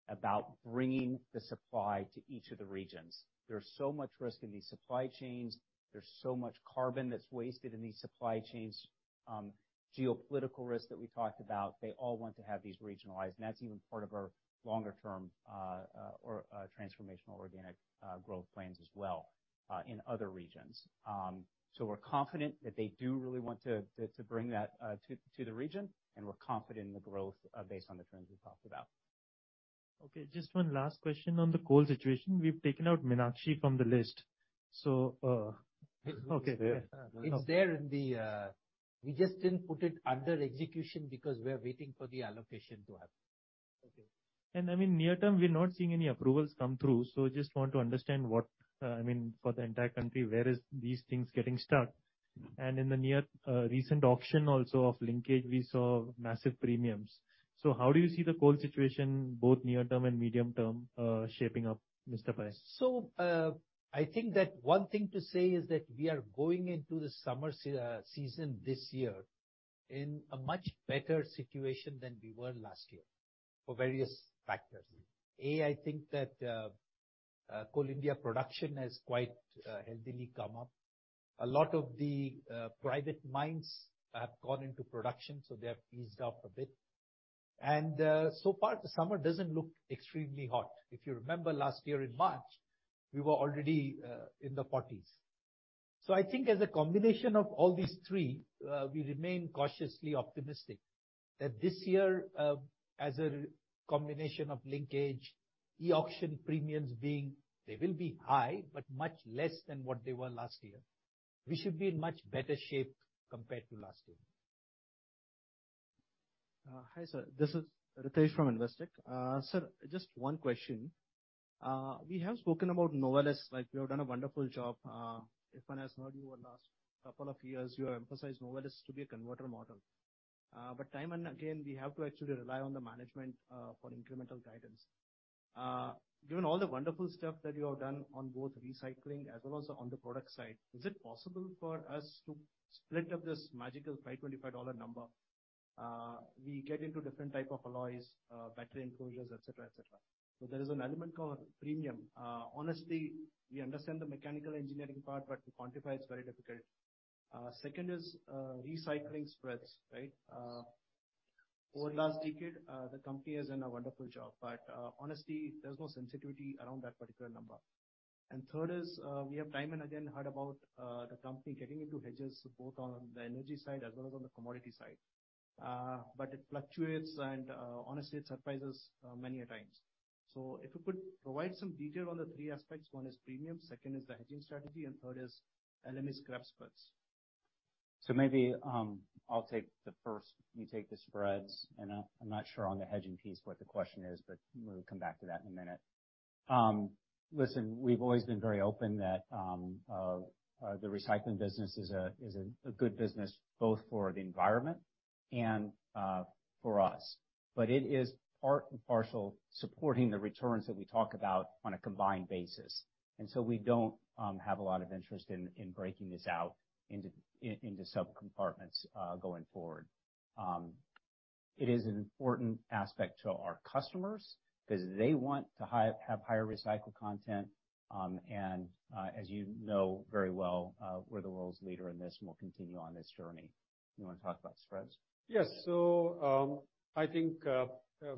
customers about bringing the supply to each of the regions. There's so much risk in these supply chains. There's so much carbon that's wasted in these supply chains. Geopolitical risks that we talked about, they all want to have these regionalized. That's even part of our longer term, or transformational organic growth plans as well, in other regions. We're confident that they do really want to bring that to the region, and we're confident in the growth, based on the trends we've talked about. Okay, just one last question on the coal situation. We've taken out Meenakshi from the list. Okay. It's there in the - we just didn't put it under execution because we are waiting for the allocation to happen. Okay. I mean, near term, we're not seeing any approvals come through, just want to understand what, I mean, for the entire country, where is these things getting stuck? In the near, recent auction also of linkage, we saw massive premiums. How do you see the coal situation, both near term and medium term, shaping up, Mr. Pai? I think that one thing to say is that we are going into the summer season this year in a much better situation than we were last year for various factors. I think that Coal India production has quite healthily come up. A lot of the private mines have gone into production, so they have eased up a bit. So far the summer doesn't look extremely hot. If you remember last year in March, we were already in the forties. I think as a combination of all these three, we remain cautiously optimistic that this year, as a combination of linkage, e-auction premiums being, they will be high, but much less than what they were last year. We should be in much better shape compared to last year. Hi, sir, this is Ritesh from Investec. Sir, just one question. We have spoken about Novelis, like you have done a wonderful job. If one has heard you over last couple of years, you have emphasized Novelis to be a converter model. Time and again, we have to actually rely on the management for incremental guidance. Given all the wonderful stuff that you have done on both recycling as well as on the product side, is it possible for us to split up this magical $525 number? We get into different type of alloys, battery enclosures, et cetera, et cetera. There is an element called premium. Honestly, we understand the mechanical engineering part, but to quantify it is very difficult. Second is recycling spreads, right? Over last decade, the company has done a wonderful job, but honestly, there's no sensitivity around that particular number. Third is, we have time and again heard about the company getting into hedges both on the energy side as well as on the commodity side. But it fluctuates and honestly, it surprises many a times. If you could provide some detail on the three aspects: One is premium, second is the hedging strategy, and third is LME scrap spreads. Maybe, I'll take the first, you take the spreads, I'm not sure on the hedging piece what the question is, we'll come back to that in a minute. Listen, we've always been very open that the recycling business is a good business both for the environment and for us. It is part and parcel supporting the returns that we talk about on a combined basis. We don't have a lot of interest in breaking this out into sub-compartments going forward. It is an important aspect to our customers because they want to have higher recycled content. As you know very well, we're the world's leader in this and we'll continue on this journey. You want to talk about spreads? Yes. I think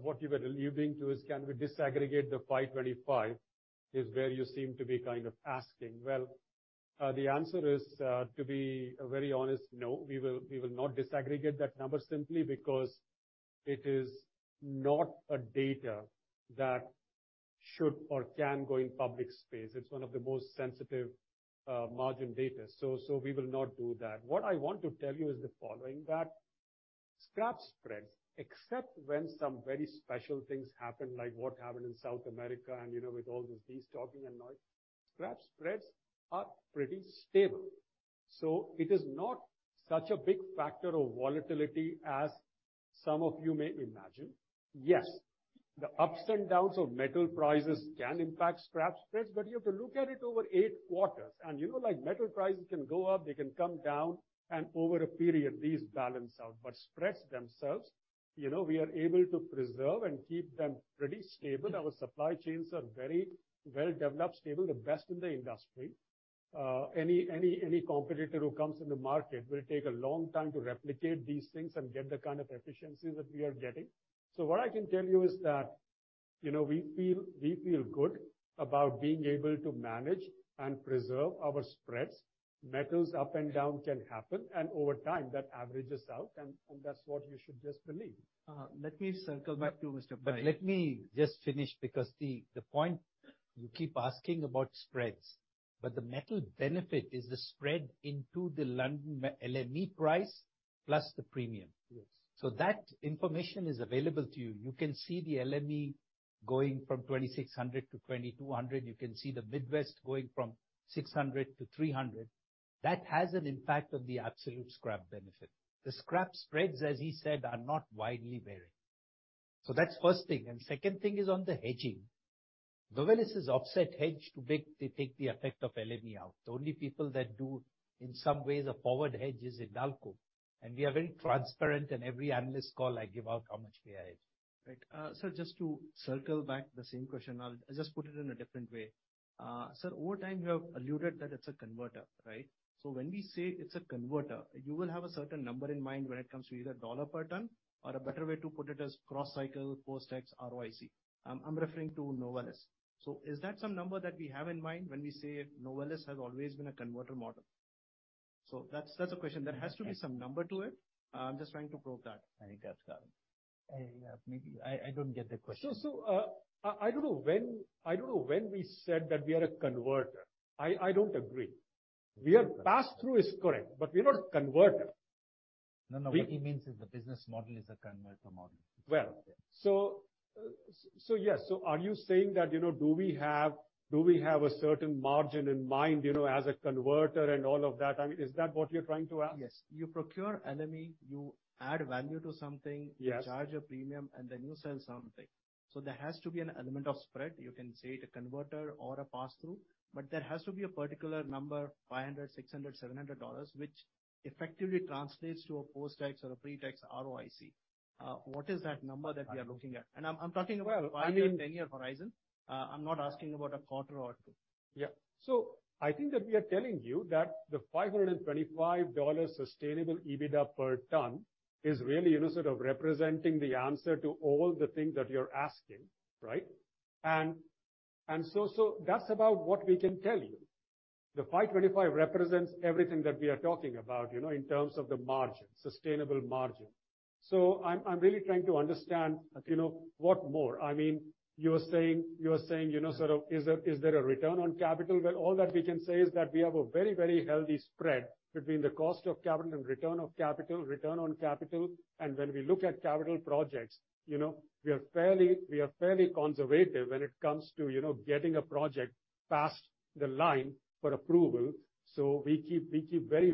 what you were alluding to is can we disaggregate the $525 is where you seem to be kind of asking. Well, the answer is to be very honest, no. We will not disaggregate that number simply because it is not a data that should or can go in public space. It's one of the most sensitive margin data. We will not do that. What I want to tell you is the following, that scrap spreads, except when some very special things happen, like what happened in South America and, you know, with all these destocking and noise, scrap spreads are pretty stable. It is not such a big factor of volatility as some of you may imagine. Yes, the ups and downs of metal prices can impact scrap spreads, but you have to look at it over eight quarters. You know, like metal prices can go up, they can come down, and over a period these balance out. Spreads themselves, you know, we are able to preserve and keep them pretty stable. Our supply chains are very well developed, stable, the best in the industry. Any competitor who comes in the market will take a long time to replicate these things and get the kind of efficiency that we are getting. What I can tell you is that, you know, we feel good about being able to manage and preserve our spreads. Metals up and down can happen, and over time that averages out and that's what you should just believe. Let me circle back to Mr. Pai. Let me just finish because the point you keep asking about spreads, but the metal benefit is the spread into the LME price plus the premium. Yes. That information is available to you. You can see the LME going from $2,600 to $2,200. You can see the Midwest going from $600 to $300. That has an impact on the absolute scrap benefit. The scrap spreads, as he said, are not widely varying. That's first thing. Second thing is on the hedging. Novelis is offset hedge to take the effect of LME out. The only people that do, in some ways, a forward hedge is Hindalco. We are very transparent in every analyst call I give out how much we hedge. Sir, just to circle back the same question, I'll just put it in a different way. Sir, over time you have alluded that it's a converter, right? When we say it's a converter, you will have a certain number in mind when it comes to either dollar per ton or a better way to put it as cross cycle post-tax ROIC. I'm referring to Novelis. Is that some number that we have in mind when we say Novelis has always been a converter model? That's the question. There has to be some number to it. I'm just trying to probe that. I think that's got it. I, maybe I don't get the question. I don't know when, I don't know when we said that we are a converter. I don't agree. We are pass-through is correct, but we're not converter. No, no. What he means is the business model is a converter model. Well, so yes. Are you saying that, you know, do we have a certain margin in mind, you know, as a converter and all of that? I mean, is that what you're trying to ask? Yes. You procure LME, you add value to something. Yes. You charge a premium, and then you sell something. There has to be an element of spread. You can say the converter or a pass-through, but there has to be a particular number, $500, $600, $700, which effectively translates to a post-tax or a pre-tax ROIC. What is that number that we are looking at? I'm talking about a five-year, 10-year horizon. I'm not asking about a quarter or 2. Yeah. I think that we are telling you that the $525 sustainable EBITDA per ton is really, you know, sort of representing the answer to all the things that you're asking, right? That's about what we can tell you. The $525 represents everything that we are talking about, you know, in terms of the margin, sustainable margin. I'm really trying to understand, you know, what more? I mean, you are saying, you know, sort of, is there a return on capital? Well, all that we can say is that we have a very healthy spread between the cost of capital and return of capital, return on capital. When we look at capital projects, you know, we are fairly conservative when it comes to, you know, getting a project past the line for approval. We keep very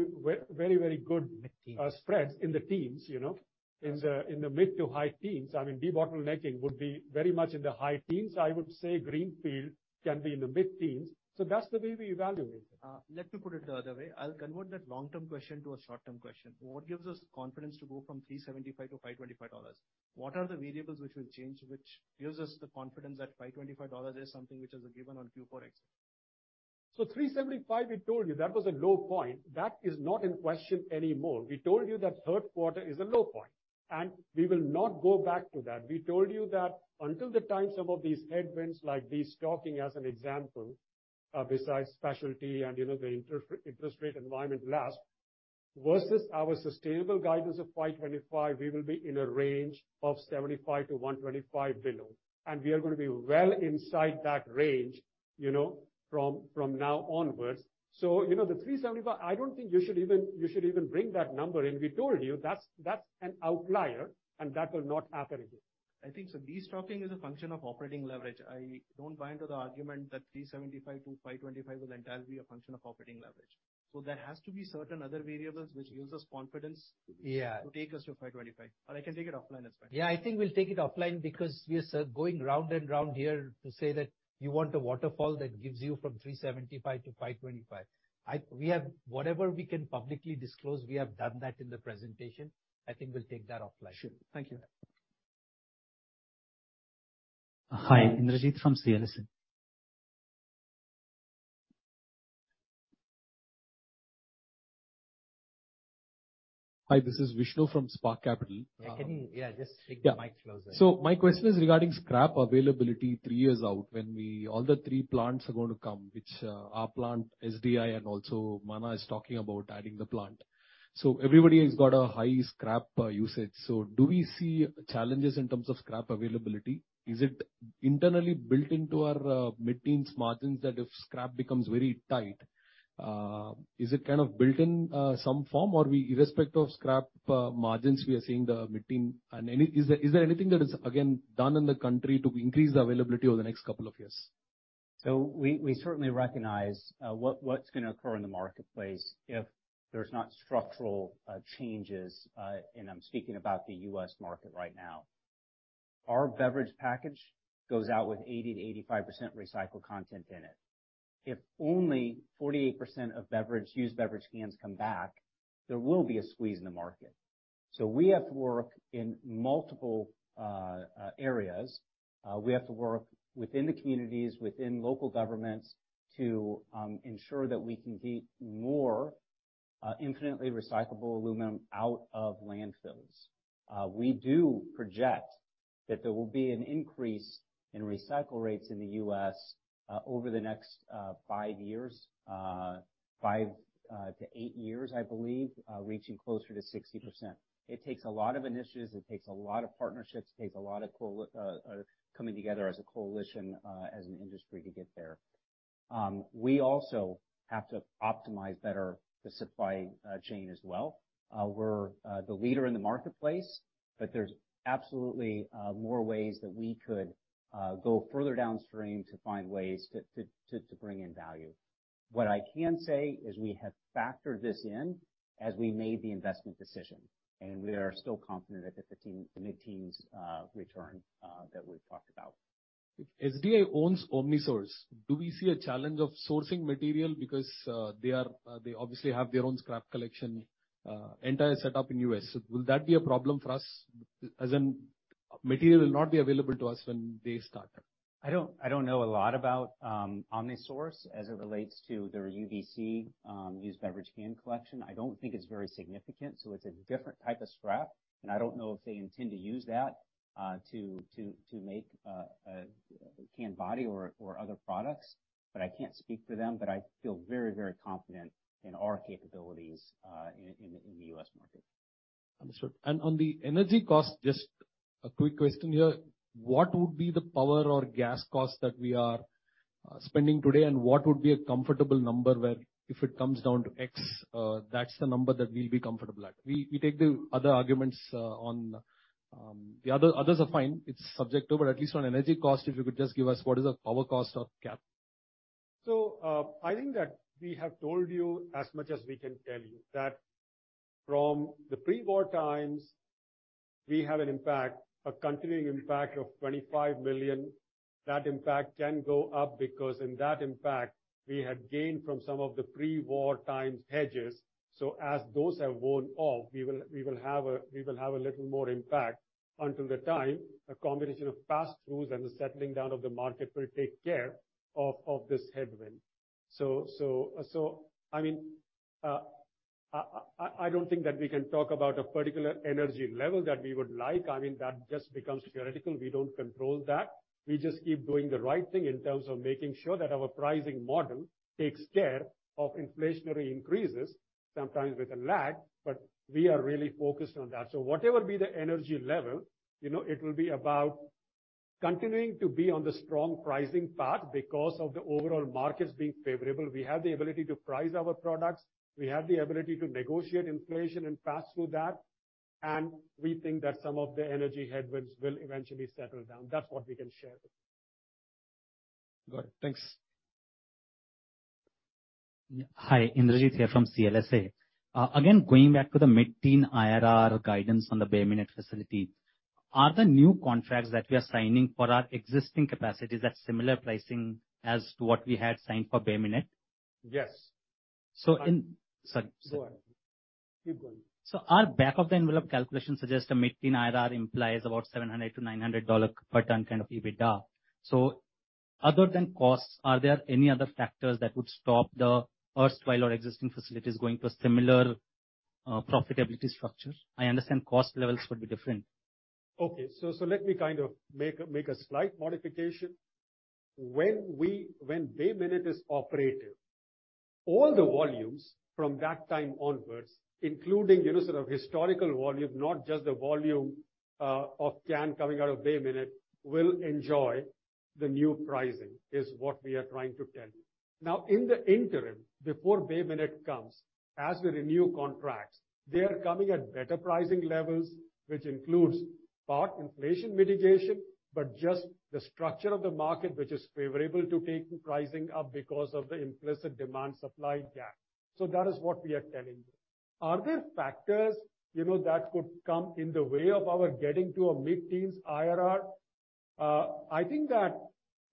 good- Mid-teens. Spreads in the teens, you know? In the mid-to-high teens. I mean, debottlenecking would be very much in the high teens. I would say greenfield can be in the mid-teens. That's the way we evaluate it. Let me put it the other way. I'll convert that long-term question to a short-term question. What gives us confidence to go from $375 to $525? What are the variables which will change, which gives us the confidence that $525 is something which is a given on Q4 exit? 375, we told you, that was a low point. That is not in question anymore. We told you that third quarter is a low point, and we will not go back to that. We told you that until the time some of these headwinds, like destocking, as an example, besides specialty and, you know, the inter-interest rate environment lasts, versus our sustainable guidance of $525, we will be in a range of $75-$125 below, and we are gonna be well inside that range, you know, from now onwards. You know, the $375, I don't think you should even bring that number in. We told you that's an outlier and that will not happen again. I think the destocking is a function of operating leverage. I don't buy into the argument that $375 to $525 will entirely be a function of operating leverage. There has to be certain other variables which gives us confidence to take us to $525. I can take it offline as well. Yeah, I think we'll take it offline because we are sort of going round and round here to say that you want a waterfall that gives you from $375 to $525. Whatever we can publicly disclose, we have done that in the presentation. I think we'll take that offline. Sure. Thank you. Hi. Indrajit from CLSA. Hi, this is Vishnu from Spark Capital. Can you, yeah, just bring the mic closer. Yeah. My question is regarding scrap availability three years out when we, all the three plants are gonna come, which, our plant, SDI, and also Manna is talking about adding the plant. Everybody has got a high scrap usage. Do we see challenges in terms of scrap availability? Is it internally built into our mid-teens margins that if scrap becomes very tight, is it kind of built in some form or we irrespective of scrap margins, we are seeing the mid-teen? Any... Is there anything that is again done in the country to increase the availability over the next couple of years? We certainly recognize what's going to occur in the marketplace if there's not structural changes. I'm speaking about the U.S. market right now. Our beverage package goes out with 80%-85% recycled content in it. If only 48% of used beverage cans come back, there will be a squeeze in the market. We have to work in multiple areas. We have to work within the communities, within local governments, to ensure that we can get more infinitely recyclable aluminum out of landfills. We do project that there will be an increase in recycle rates in the U.S. over the next five years, five to eight years, I believe, reaching closer to 60%. It takes a lot of initiatives. It takes a lot of partnerships. It takes a lot of coming together as a coalition, as an industry to get there. We also have to optimize better the supply chain as well. We're the leader in the marketplace, but there's absolutely more ways that we could go further downstream to find ways to bring in value. What I can say is we have factored this in as we made the investment decision, and we are still confident at the mid-teens return that we've talked about. SDI owns OmniSource. Do we see a challenge of sourcing material because they obviously have their own scrap collection, entire setup in U.S.? Will that be a problem for us, as in material will not be available to us when they start? I don't know a lot about OmniSource as it relates to their UBC Used Beverage Can collection. I don't think it's very significant. It's a different type of scrap, and I don't know if they intend to use that to make a canned body or other products, but I can't speak for them. I feel very confident in our capabilities in the U.S. market. Understood. On the energy cost, just a quick question here. What would be the power or gas cost that we are spending today, and what would be a comfortable number where if it comes down to X, that's the number that we'll be comfortable at? We take the other arguments on... The others are fine. It's subjective, but at least on energy cost, if you could just give us what is the power cost of cap? I think that we have told you as much as we can tell you, that from the pre-war times, we have an impact, a continuing impact of $25 million. That impact can go up because in that impact, we had gained from some of the pre-war times hedges. As those have worn off, we will have a little more impact until the time a combination of pass-throughs and the settling down of the market will take care of this headwind. I mean, I don't think that we can talk about a particular energy level that we would like. I mean, that just becomes theoretical. We don't control that. We just keep doing the right thing in terms of making sure that our pricing model takes care of inflationary increases, sometimes with a lag, but we are really focused on that. Whatever be the energy level, you know, it will be about continuing to be on the strong pricing path because of the overall markets being favorable. We have the ability to price our products. We have the ability to negotiate inflation and pass through that. We think that some of the energy headwinds will eventually settle down. That's what we can share. Good. Thanks. Hi. Indrajeet here from CLSA. Again, going back to the mid-teen IRR guidance on the Bay Minette facility. Are the new contracts that we are signing for our existing capacities at similar pricing as to what we had signed for Bay Minette? Yes. Sorry. Go ahead. Keep going. Our back of the envelope calculation suggest a mid-teen IRR implies about $700-$900 per ton kind of EBITDA. Other than costs, are there any other factors that would stop the Erstwhile or existing facilities going to a similar profitability structure? I understand cost levels would be different. Okay. Let me kind of make a slight modification. When Bay Minette is operative, all the volumes from that time onwards, including, you know, sort of historical volume, not just the volume of can coming out of Bay Minette, will enjoy the new pricing, is what we are trying to tell you. In the interim, before Bay Minette comes, as we renew contracts, they are coming at better pricing levels, which includes part inflation mitigation, but just the structure of the market, which is favorable to taking pricing up because of the implicit demand supply gap. That is what we are telling you. Are there factors, you know, that could come in the way of our getting to a mid-teens IRR? I think that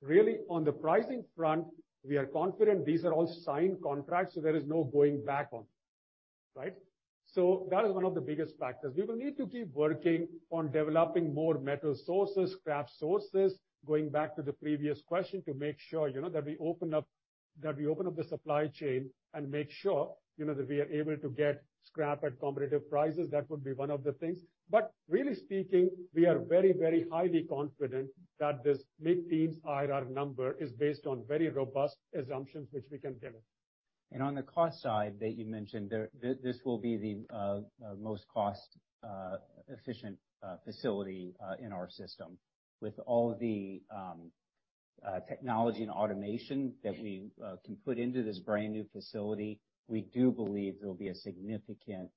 really on the pricing front, we are confident these are all signed contracts, there is no going back on, right. That is one of the biggest factors. We will need to keep working on developing more metal sources, scrap sources, going back to the previous question, to make sure, you know, that we open up the supply chain and make sure, you know, that we are able to get scrap at competitive prices. That would be one of the things. Really speaking, we are very, very highly confident that this mid-teens IRR number is based on very robust assumptions, which we can deliver. On the cost side that you mentioned there, this will be the most cost efficient facility in our system. With all the technology and automation that we can put into this brand-new facility, we do believe there will be a significant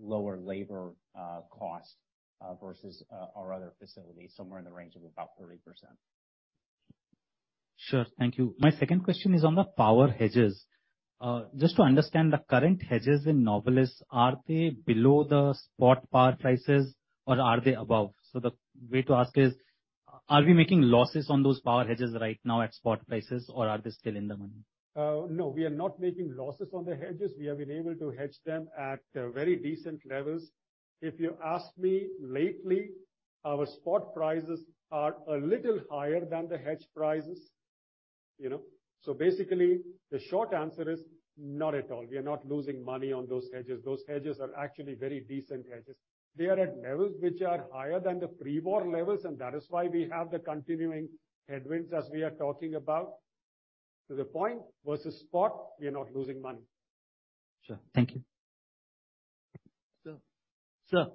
lower labor cost versus our other facilities, somewhere in the range of about 30%. Sure. Thank you. My second question is on the power hedges. Just to understand the current hedges in Novelis, are they below the spot power prices or are they above? The way to ask is, are we making losses on those power hedges right now at spot prices or are they still in the money? No, we are not making losses on the hedges. We have been able to hedge them at very decent levels. If you ask me lately, our spot prices are a little higher than the hedge prices, you know. Basically, the short answer is not at all. We are not losing money on those hedges. Those hedges are actually very decent hedges. They are at levels which are higher than the pre-war levels, and that is why we have the continuing headwinds as we are talking about. To the point versus spot, we are not losing money. Sure. Thank you. Sir. Sir,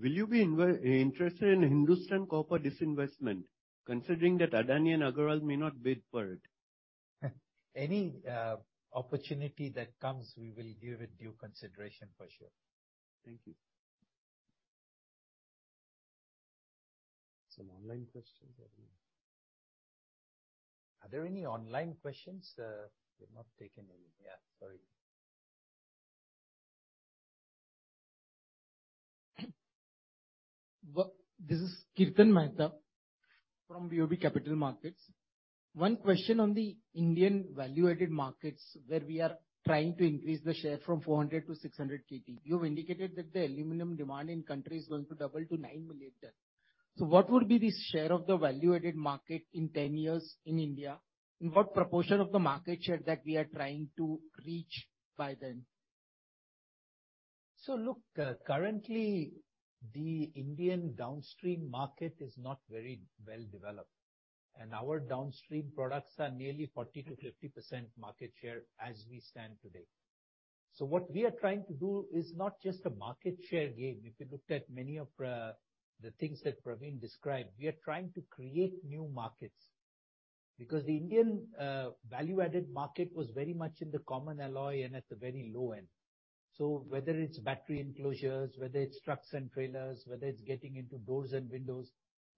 will you be interested in Hindustan Copper disinvestment, considering that Adani and Agarwal may not bid for it? Any opportunity that comes, we will give it due consideration for sure. Thank you. Some online questions maybe. Are there any online questions? We've not taken any. Yeah, sorry. This is Kirtan Mehta from BOB Capital Markets. One question on the Indian value-added markets where we are trying to increase the share from 400 kt to 600 kt. You've indicated that the aluminum demand in country is going to double to 9 million tons. What would be the share of the value-added market in 10 years in India? What proportion of the market share that we are trying to reach by then? Look, currently the Indian downstream market is not very well developed, and our downstream products are nearly 40%-50% market share as we stand today. What we are trying to do is not just a market share game. If you looked at many of the things that Praveen described, we are trying to create new markets because the Indian value-added market was very much in the common alloy and at the very low end. Whether it's battery enclosures, whether it's trucks and trailers, whether it's getting into doors and windows,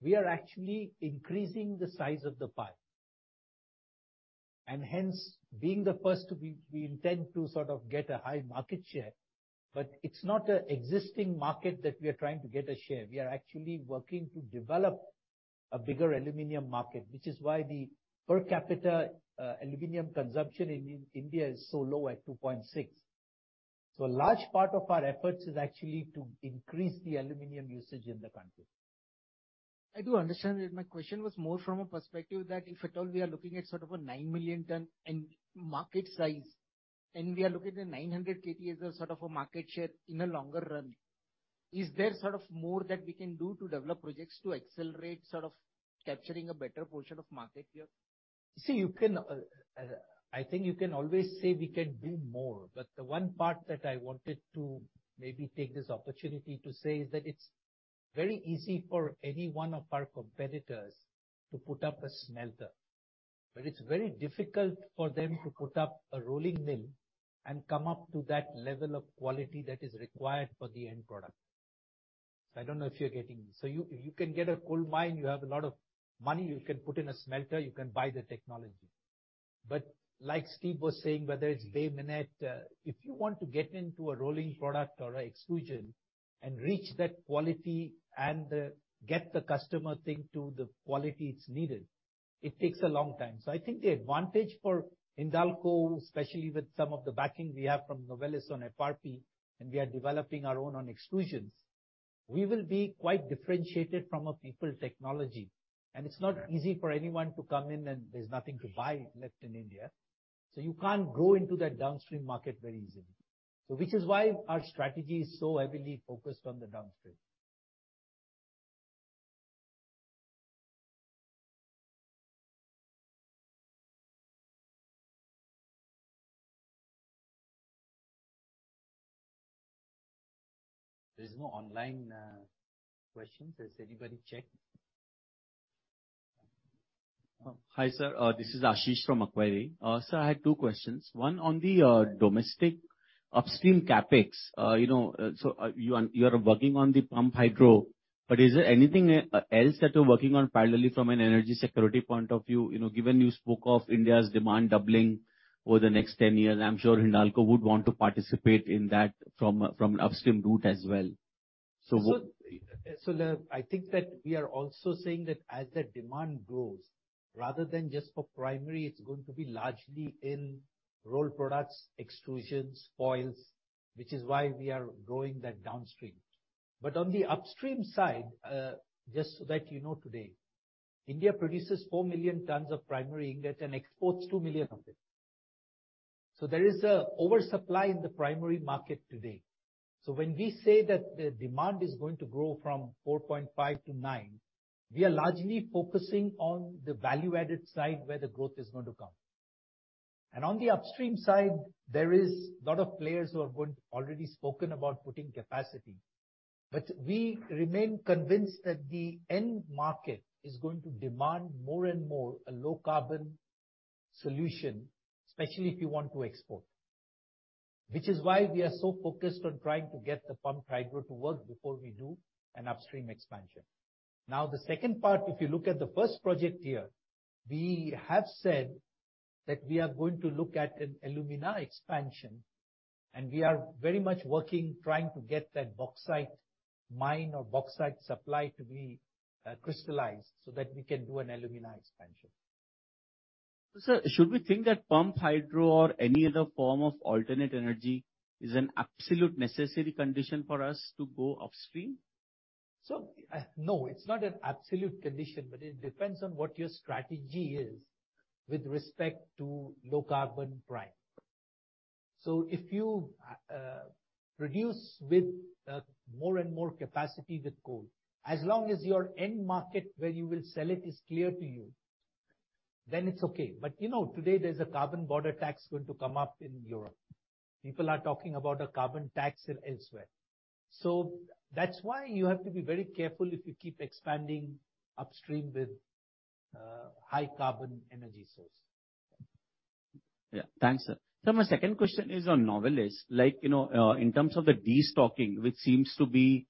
we are actually increasing the size of the pie. Hence, being the first to be, we intend to sort of get a high market share. It's not an existing market that we are trying to get a share. We are actually working to develop a bigger aluminum market, which is why the per capita aluminum consumption in India is so low at 2.6. A large part of our efforts is actually to increase the aluminum usage in the country. I do understand that. My question was more from a perspective that if at all we are looking at sort of a 9 million ton end market size, and we are looking at 900 kt as a sort of a market share in the longer run, is there sort of more that we can do to develop projects to accelerate sort of capturing a better portion of market here? You can, I think you can always say we can do more, but the one part that I wanted to maybe take this opportunity to say is that it's very easy for any one of our competitors to put up a smelter, but it's very difficult for them to put up a rolling mill and come up to that level of quality that is required for the end product. I don't know if you're getting me. You can get a coal mine, you have a lot of money, you can put in a smelter, you can buy the technology. Like Steve was saying, whether it's Bay Minette, if you want to get into a rolling product or extrusion and reach that quality and get the customer think to the quality it's needed, it takes a long time. I think the advantage for Hindalco, especially with some of the backing we have from Novelis on FRP, and we are developing our own on exclusions, we will be quite differentiated from a people technology. It's not easy for anyone to come in, and there's nothing to buy left in India, so you can't grow into that downstream market very easily. Which is why our strategy is so heavily focused on the downstream. There's no online questions. Has anybody checked? Hi, sir. This is Ashish from Macquarie. Sir, I had two questions. One on the domestic upstream CapEx. You know, so you are working on the pumped hydro, but is there anything else that you're working on parallelly from an energy security point of view? You know, given you spoke of India's demand doubling over the next 10 years, I'm sure Hindalco would want to participate in that from upstream route as well. What? I think that we are also saying that as the demand grows, rather than just for primary, it's going to be largely in rolled products, extrusions, foils, which is why we are growing that downstream. On the upstream side, just so that you know today, India produces 4 million tons of primary ingot and exports 2 million of it. There is an oversupply in the primary market today. When we say that the demand is going to grow from 4.5 to 9 million tons, we are largely focusing on the value-added side where the growth is going to come. On the upstream side, there are a lot of players who have already spoken about putting capacity. We remain convinced that the end market is going to demand more and more a low carbon solution, especially if you want to export. We are so focused on trying to get the pumped hydro to work before we do an upstream expansion. The second part, if you look at the first project here, we have said that we are going to look at an alumina expansion, and we are very much working, trying to get that bauxite mine or bauxite supply to be crystallized so that we can do an alumina expansion. Sir, should we think that pump hydro or any other form of alternate energy is an absolute necessary condition for us to go upstream? No, it's not an absolute condition, but it depends on what your strategy is with respect to low carbon prime. If you produce with more and more capacity with coal, as long as your end market where you will sell it is clear to you, then it's okay. You know, today there's a carbon border tax going to come up in Europe. People are talking about a carbon tax elsewhere. That's why you have to be very careful if you keep expanding upstream with high carbon energy source. Yeah. Thanks, sir. My second question is on Novelis. Like, you know, in terms of the destocking, which seems to be,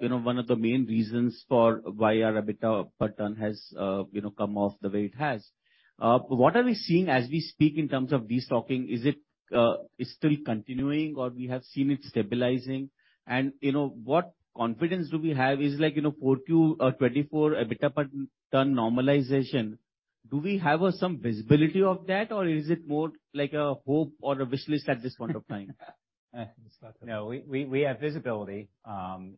you know, one of the main reasons for why our EBITDA per ton has, you know, come off the way it has. What are we seeing as we speak in terms of destocking? Is it, is still continuing or we have seen it stabilizing? What confidence do we have? Is it like, you know, 4Q of 24 EBITDA per ton normalization, do we have, some visibility of that, or is it more like a hope or a wish list at this point of time? No, we have visibility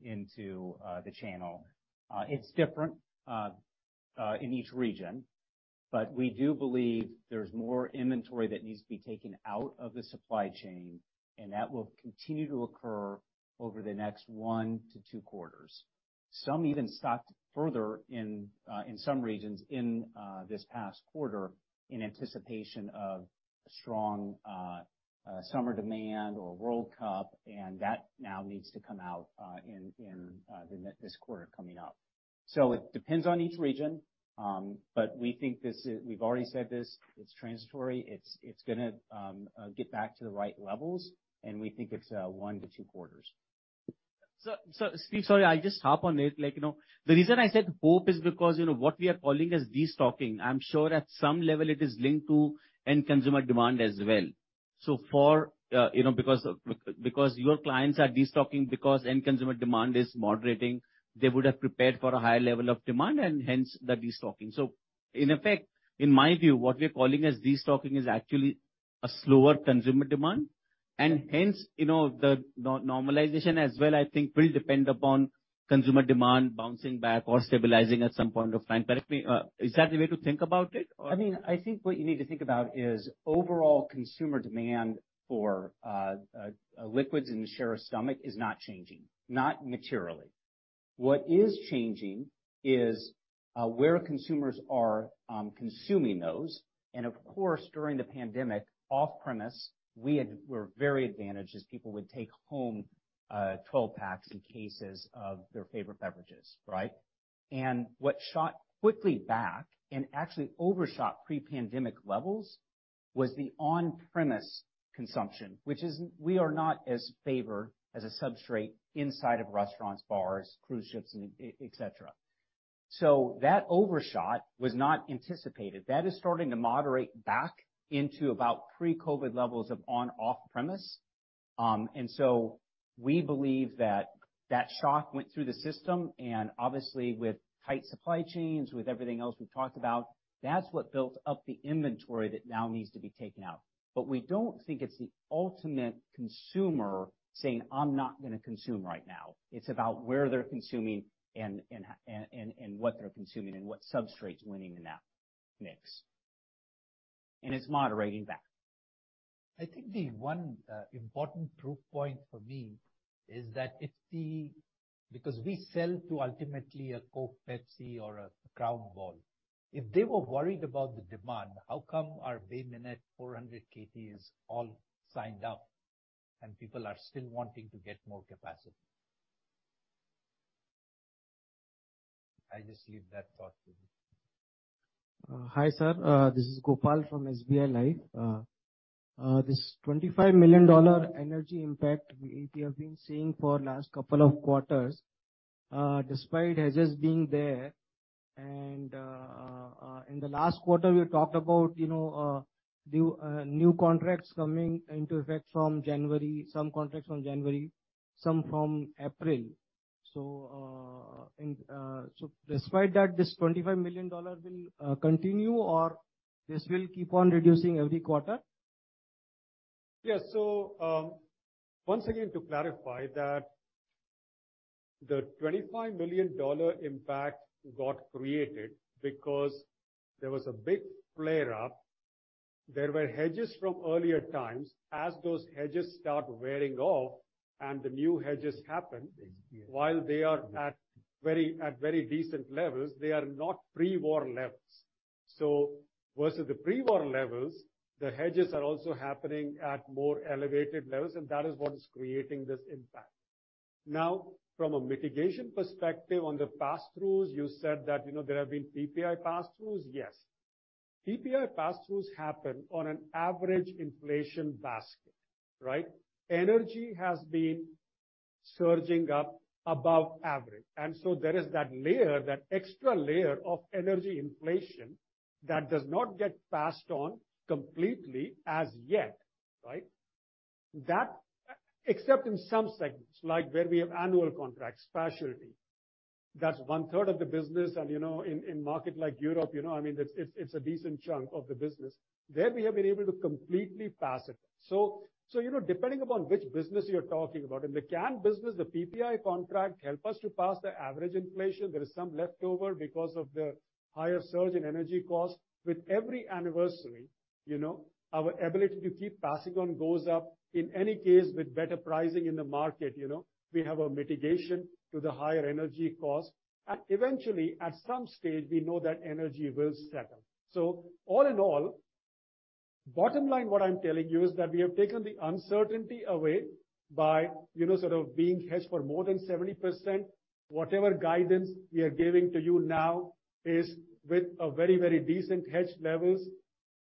into the channel. It's different in each region, but we do believe there's more inventory that needs to be taken out of the supply chain, and that will continue to occur over the next one to two quarters. Some even stocked further in some regions in this past quarter in anticipation of strong summer demand or World Cup, and that now needs to come out in this quarter coming up. It depends on each region. We think we've already said this, it's transitory. It's gonna get back to the right levels, and we think it's one to two quarters. Sir, Steve, sorry, I'll just hop on it. Like, you know, the reason I said hope is because, you know, what we are calling as destocking, I'm sure at some level it is linked to end consumer demand as well. For, you know, because your clients are destocking because end consumer demand is moderating, they would have prepared for a higher level of demand and hence the destocking. In effect, in my view, what we're calling as destocking is actually a slower consumer demand. You know, the normalization as well, I think will depend upon consumer demand bouncing back or stabilizing at some point of time. Is that the way to think about it, or? I mean, I think what you need to think about is overall consumer demand for liquids in the share of stomach is not changing, not materially. What is changing is where consumers are consuming those. Of course, during the pandemic, off-premise, we were very advantaged as people would take home 12-packs and cases of their favorite beverages, right? What shot quickly back and actually overshot pre-pandemic levels was the on-premise consumption, which is. We are not as favored as a substrate inside of restaurants, bars, cruise ships, and et cetera. That overshot was not anticipated. That is starting to moderate back into about pre-COVID levels of on off-premise. We believe that that shock went through the system, and obviously with tight supply chains, with everything else we've talked about, that's what built up the inventory that now needs to be taken out. We don't think it's the ultimate consumer saying, "I'm not gonna consume right now." It's about where they're consuming and what they're consuming and what substrate's winning in that mix. It's moderating back. I think the one important proof point for me is that because we sell to ultimately a Coke, Pepsi or a Royal Crown. If they were worried about the demand, how come our Bay Minette 400 kt is all signed up and people are still wanting to get more capacity? I just leave that thought with you. Hi, sir. This is Gopal from SBI Life. This $25 million energy impact we have been seeing for last couple of quarters, despite hedges being there. In the last quarter, we talked about, you know, new contracts coming into effect from January, some contracts from January, some from April. So, despite that, this $25 million will continue or this will keep on reducing every quarter? Once again to clarify that the $25 million impact got created because there was a big flare-up. There were hedges from earlier times. As those hedges start wearing off and the new hedges happen, while they are at very decent levels, they are not pre-war levels. Versus the pre-war levels, the hedges are also happening at more elevated levels, and that is what is creating this impact. Now, from a mitigation perspective on the pass-throughs, you said that, you know, there have been PPI pass-throughs. Yes. PPI pass-throughs happen on an average inflation basket, right? Energy has been surging up above average, there is that layer, that extra layer of energy inflation that does not get passed on completely as yet, right? Except in some segments, like where we have annual contracts, specialty. That's one-third of the business and, you know, in market like Europe, you know, I mean, it's a decent chunk of the business. There we have been able to completely pass it. Depending upon which business you're talking about. In the can business, the PPI contract help us to pass the average inflation. There is some leftover because of the higher surge in energy costs. With every anniversary, you know, our ability to keep passing on goes up. In any case, with better pricing in the market, you know, we have a mitigation to the higher energy costs. Eventually, at some stage, we know that energy will settle. All in all, bottom line, what I'm telling you is that we have taken the uncertainty away by, you know, sort of being hedged for more than 70%. Whatever guidance we are giving to you now is with a very, very decent hedged levels.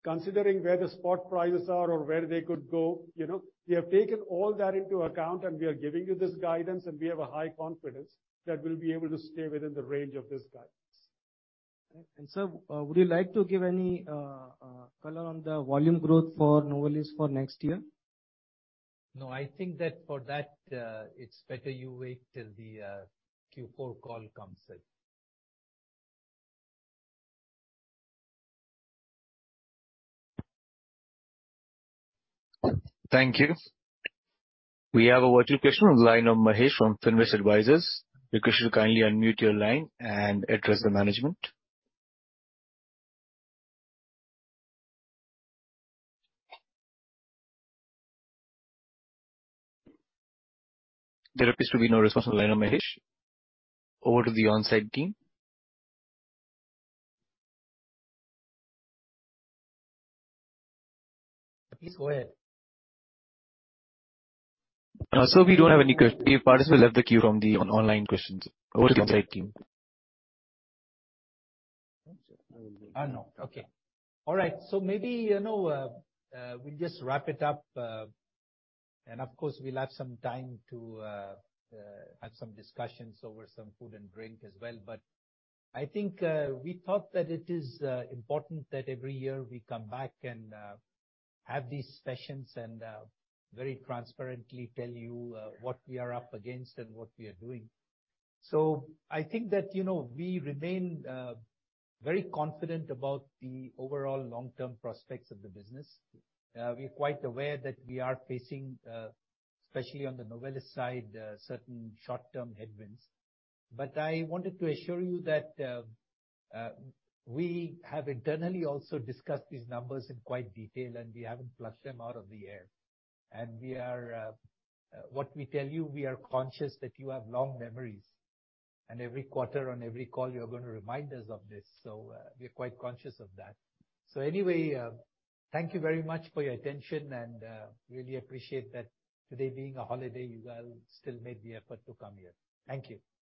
Considering where the spot prices are or where they could go, you know, we have taken all that into account and we are giving you this guidance, and we have a high confidence that we'll be able to stay within the range of this guidance. Sir, would you like to give any color on the volume growth for Novelis for next year? No, I think that for that, it's better you wait till the Q4 call comes up. Thank you. We have a virtual question on the line of Mahesh from Finvest Advisors. Request you to kindly unmute your line and address the management. There appears to be no response on the line of Mahesh. Over to the on-site team. Please go ahead. Sir, we don't have any queue. Participants left the queue from the online questions. Over to the site team. I know. Okay. All right. Maybe, you know, we'll just wrap it up. Of course, we'll have some time to have some discussions over some food and drink as well. I think we thought that it is important that every year we come back and have these sessions and very transparently tell you what we are up against and what we are doing. I think that, you know, we remain very confident about the overall long-term prospects of the business. We're quite aware that we are facing, especially on the Novelis side, certain short-term headwinds. I wanted to assure you that we have internally also discussed these numbers in quite detail, and we haven't plucked them out of the air. We are What we tell you, we are conscious that you have long memories, and every quarter on every call, you're gonna remind us of this. We're quite conscious of that. Anyway, thank you very much for your attention and really appreciate that today being a holiday, you all still made the effort to come here. Thank you. Thanks.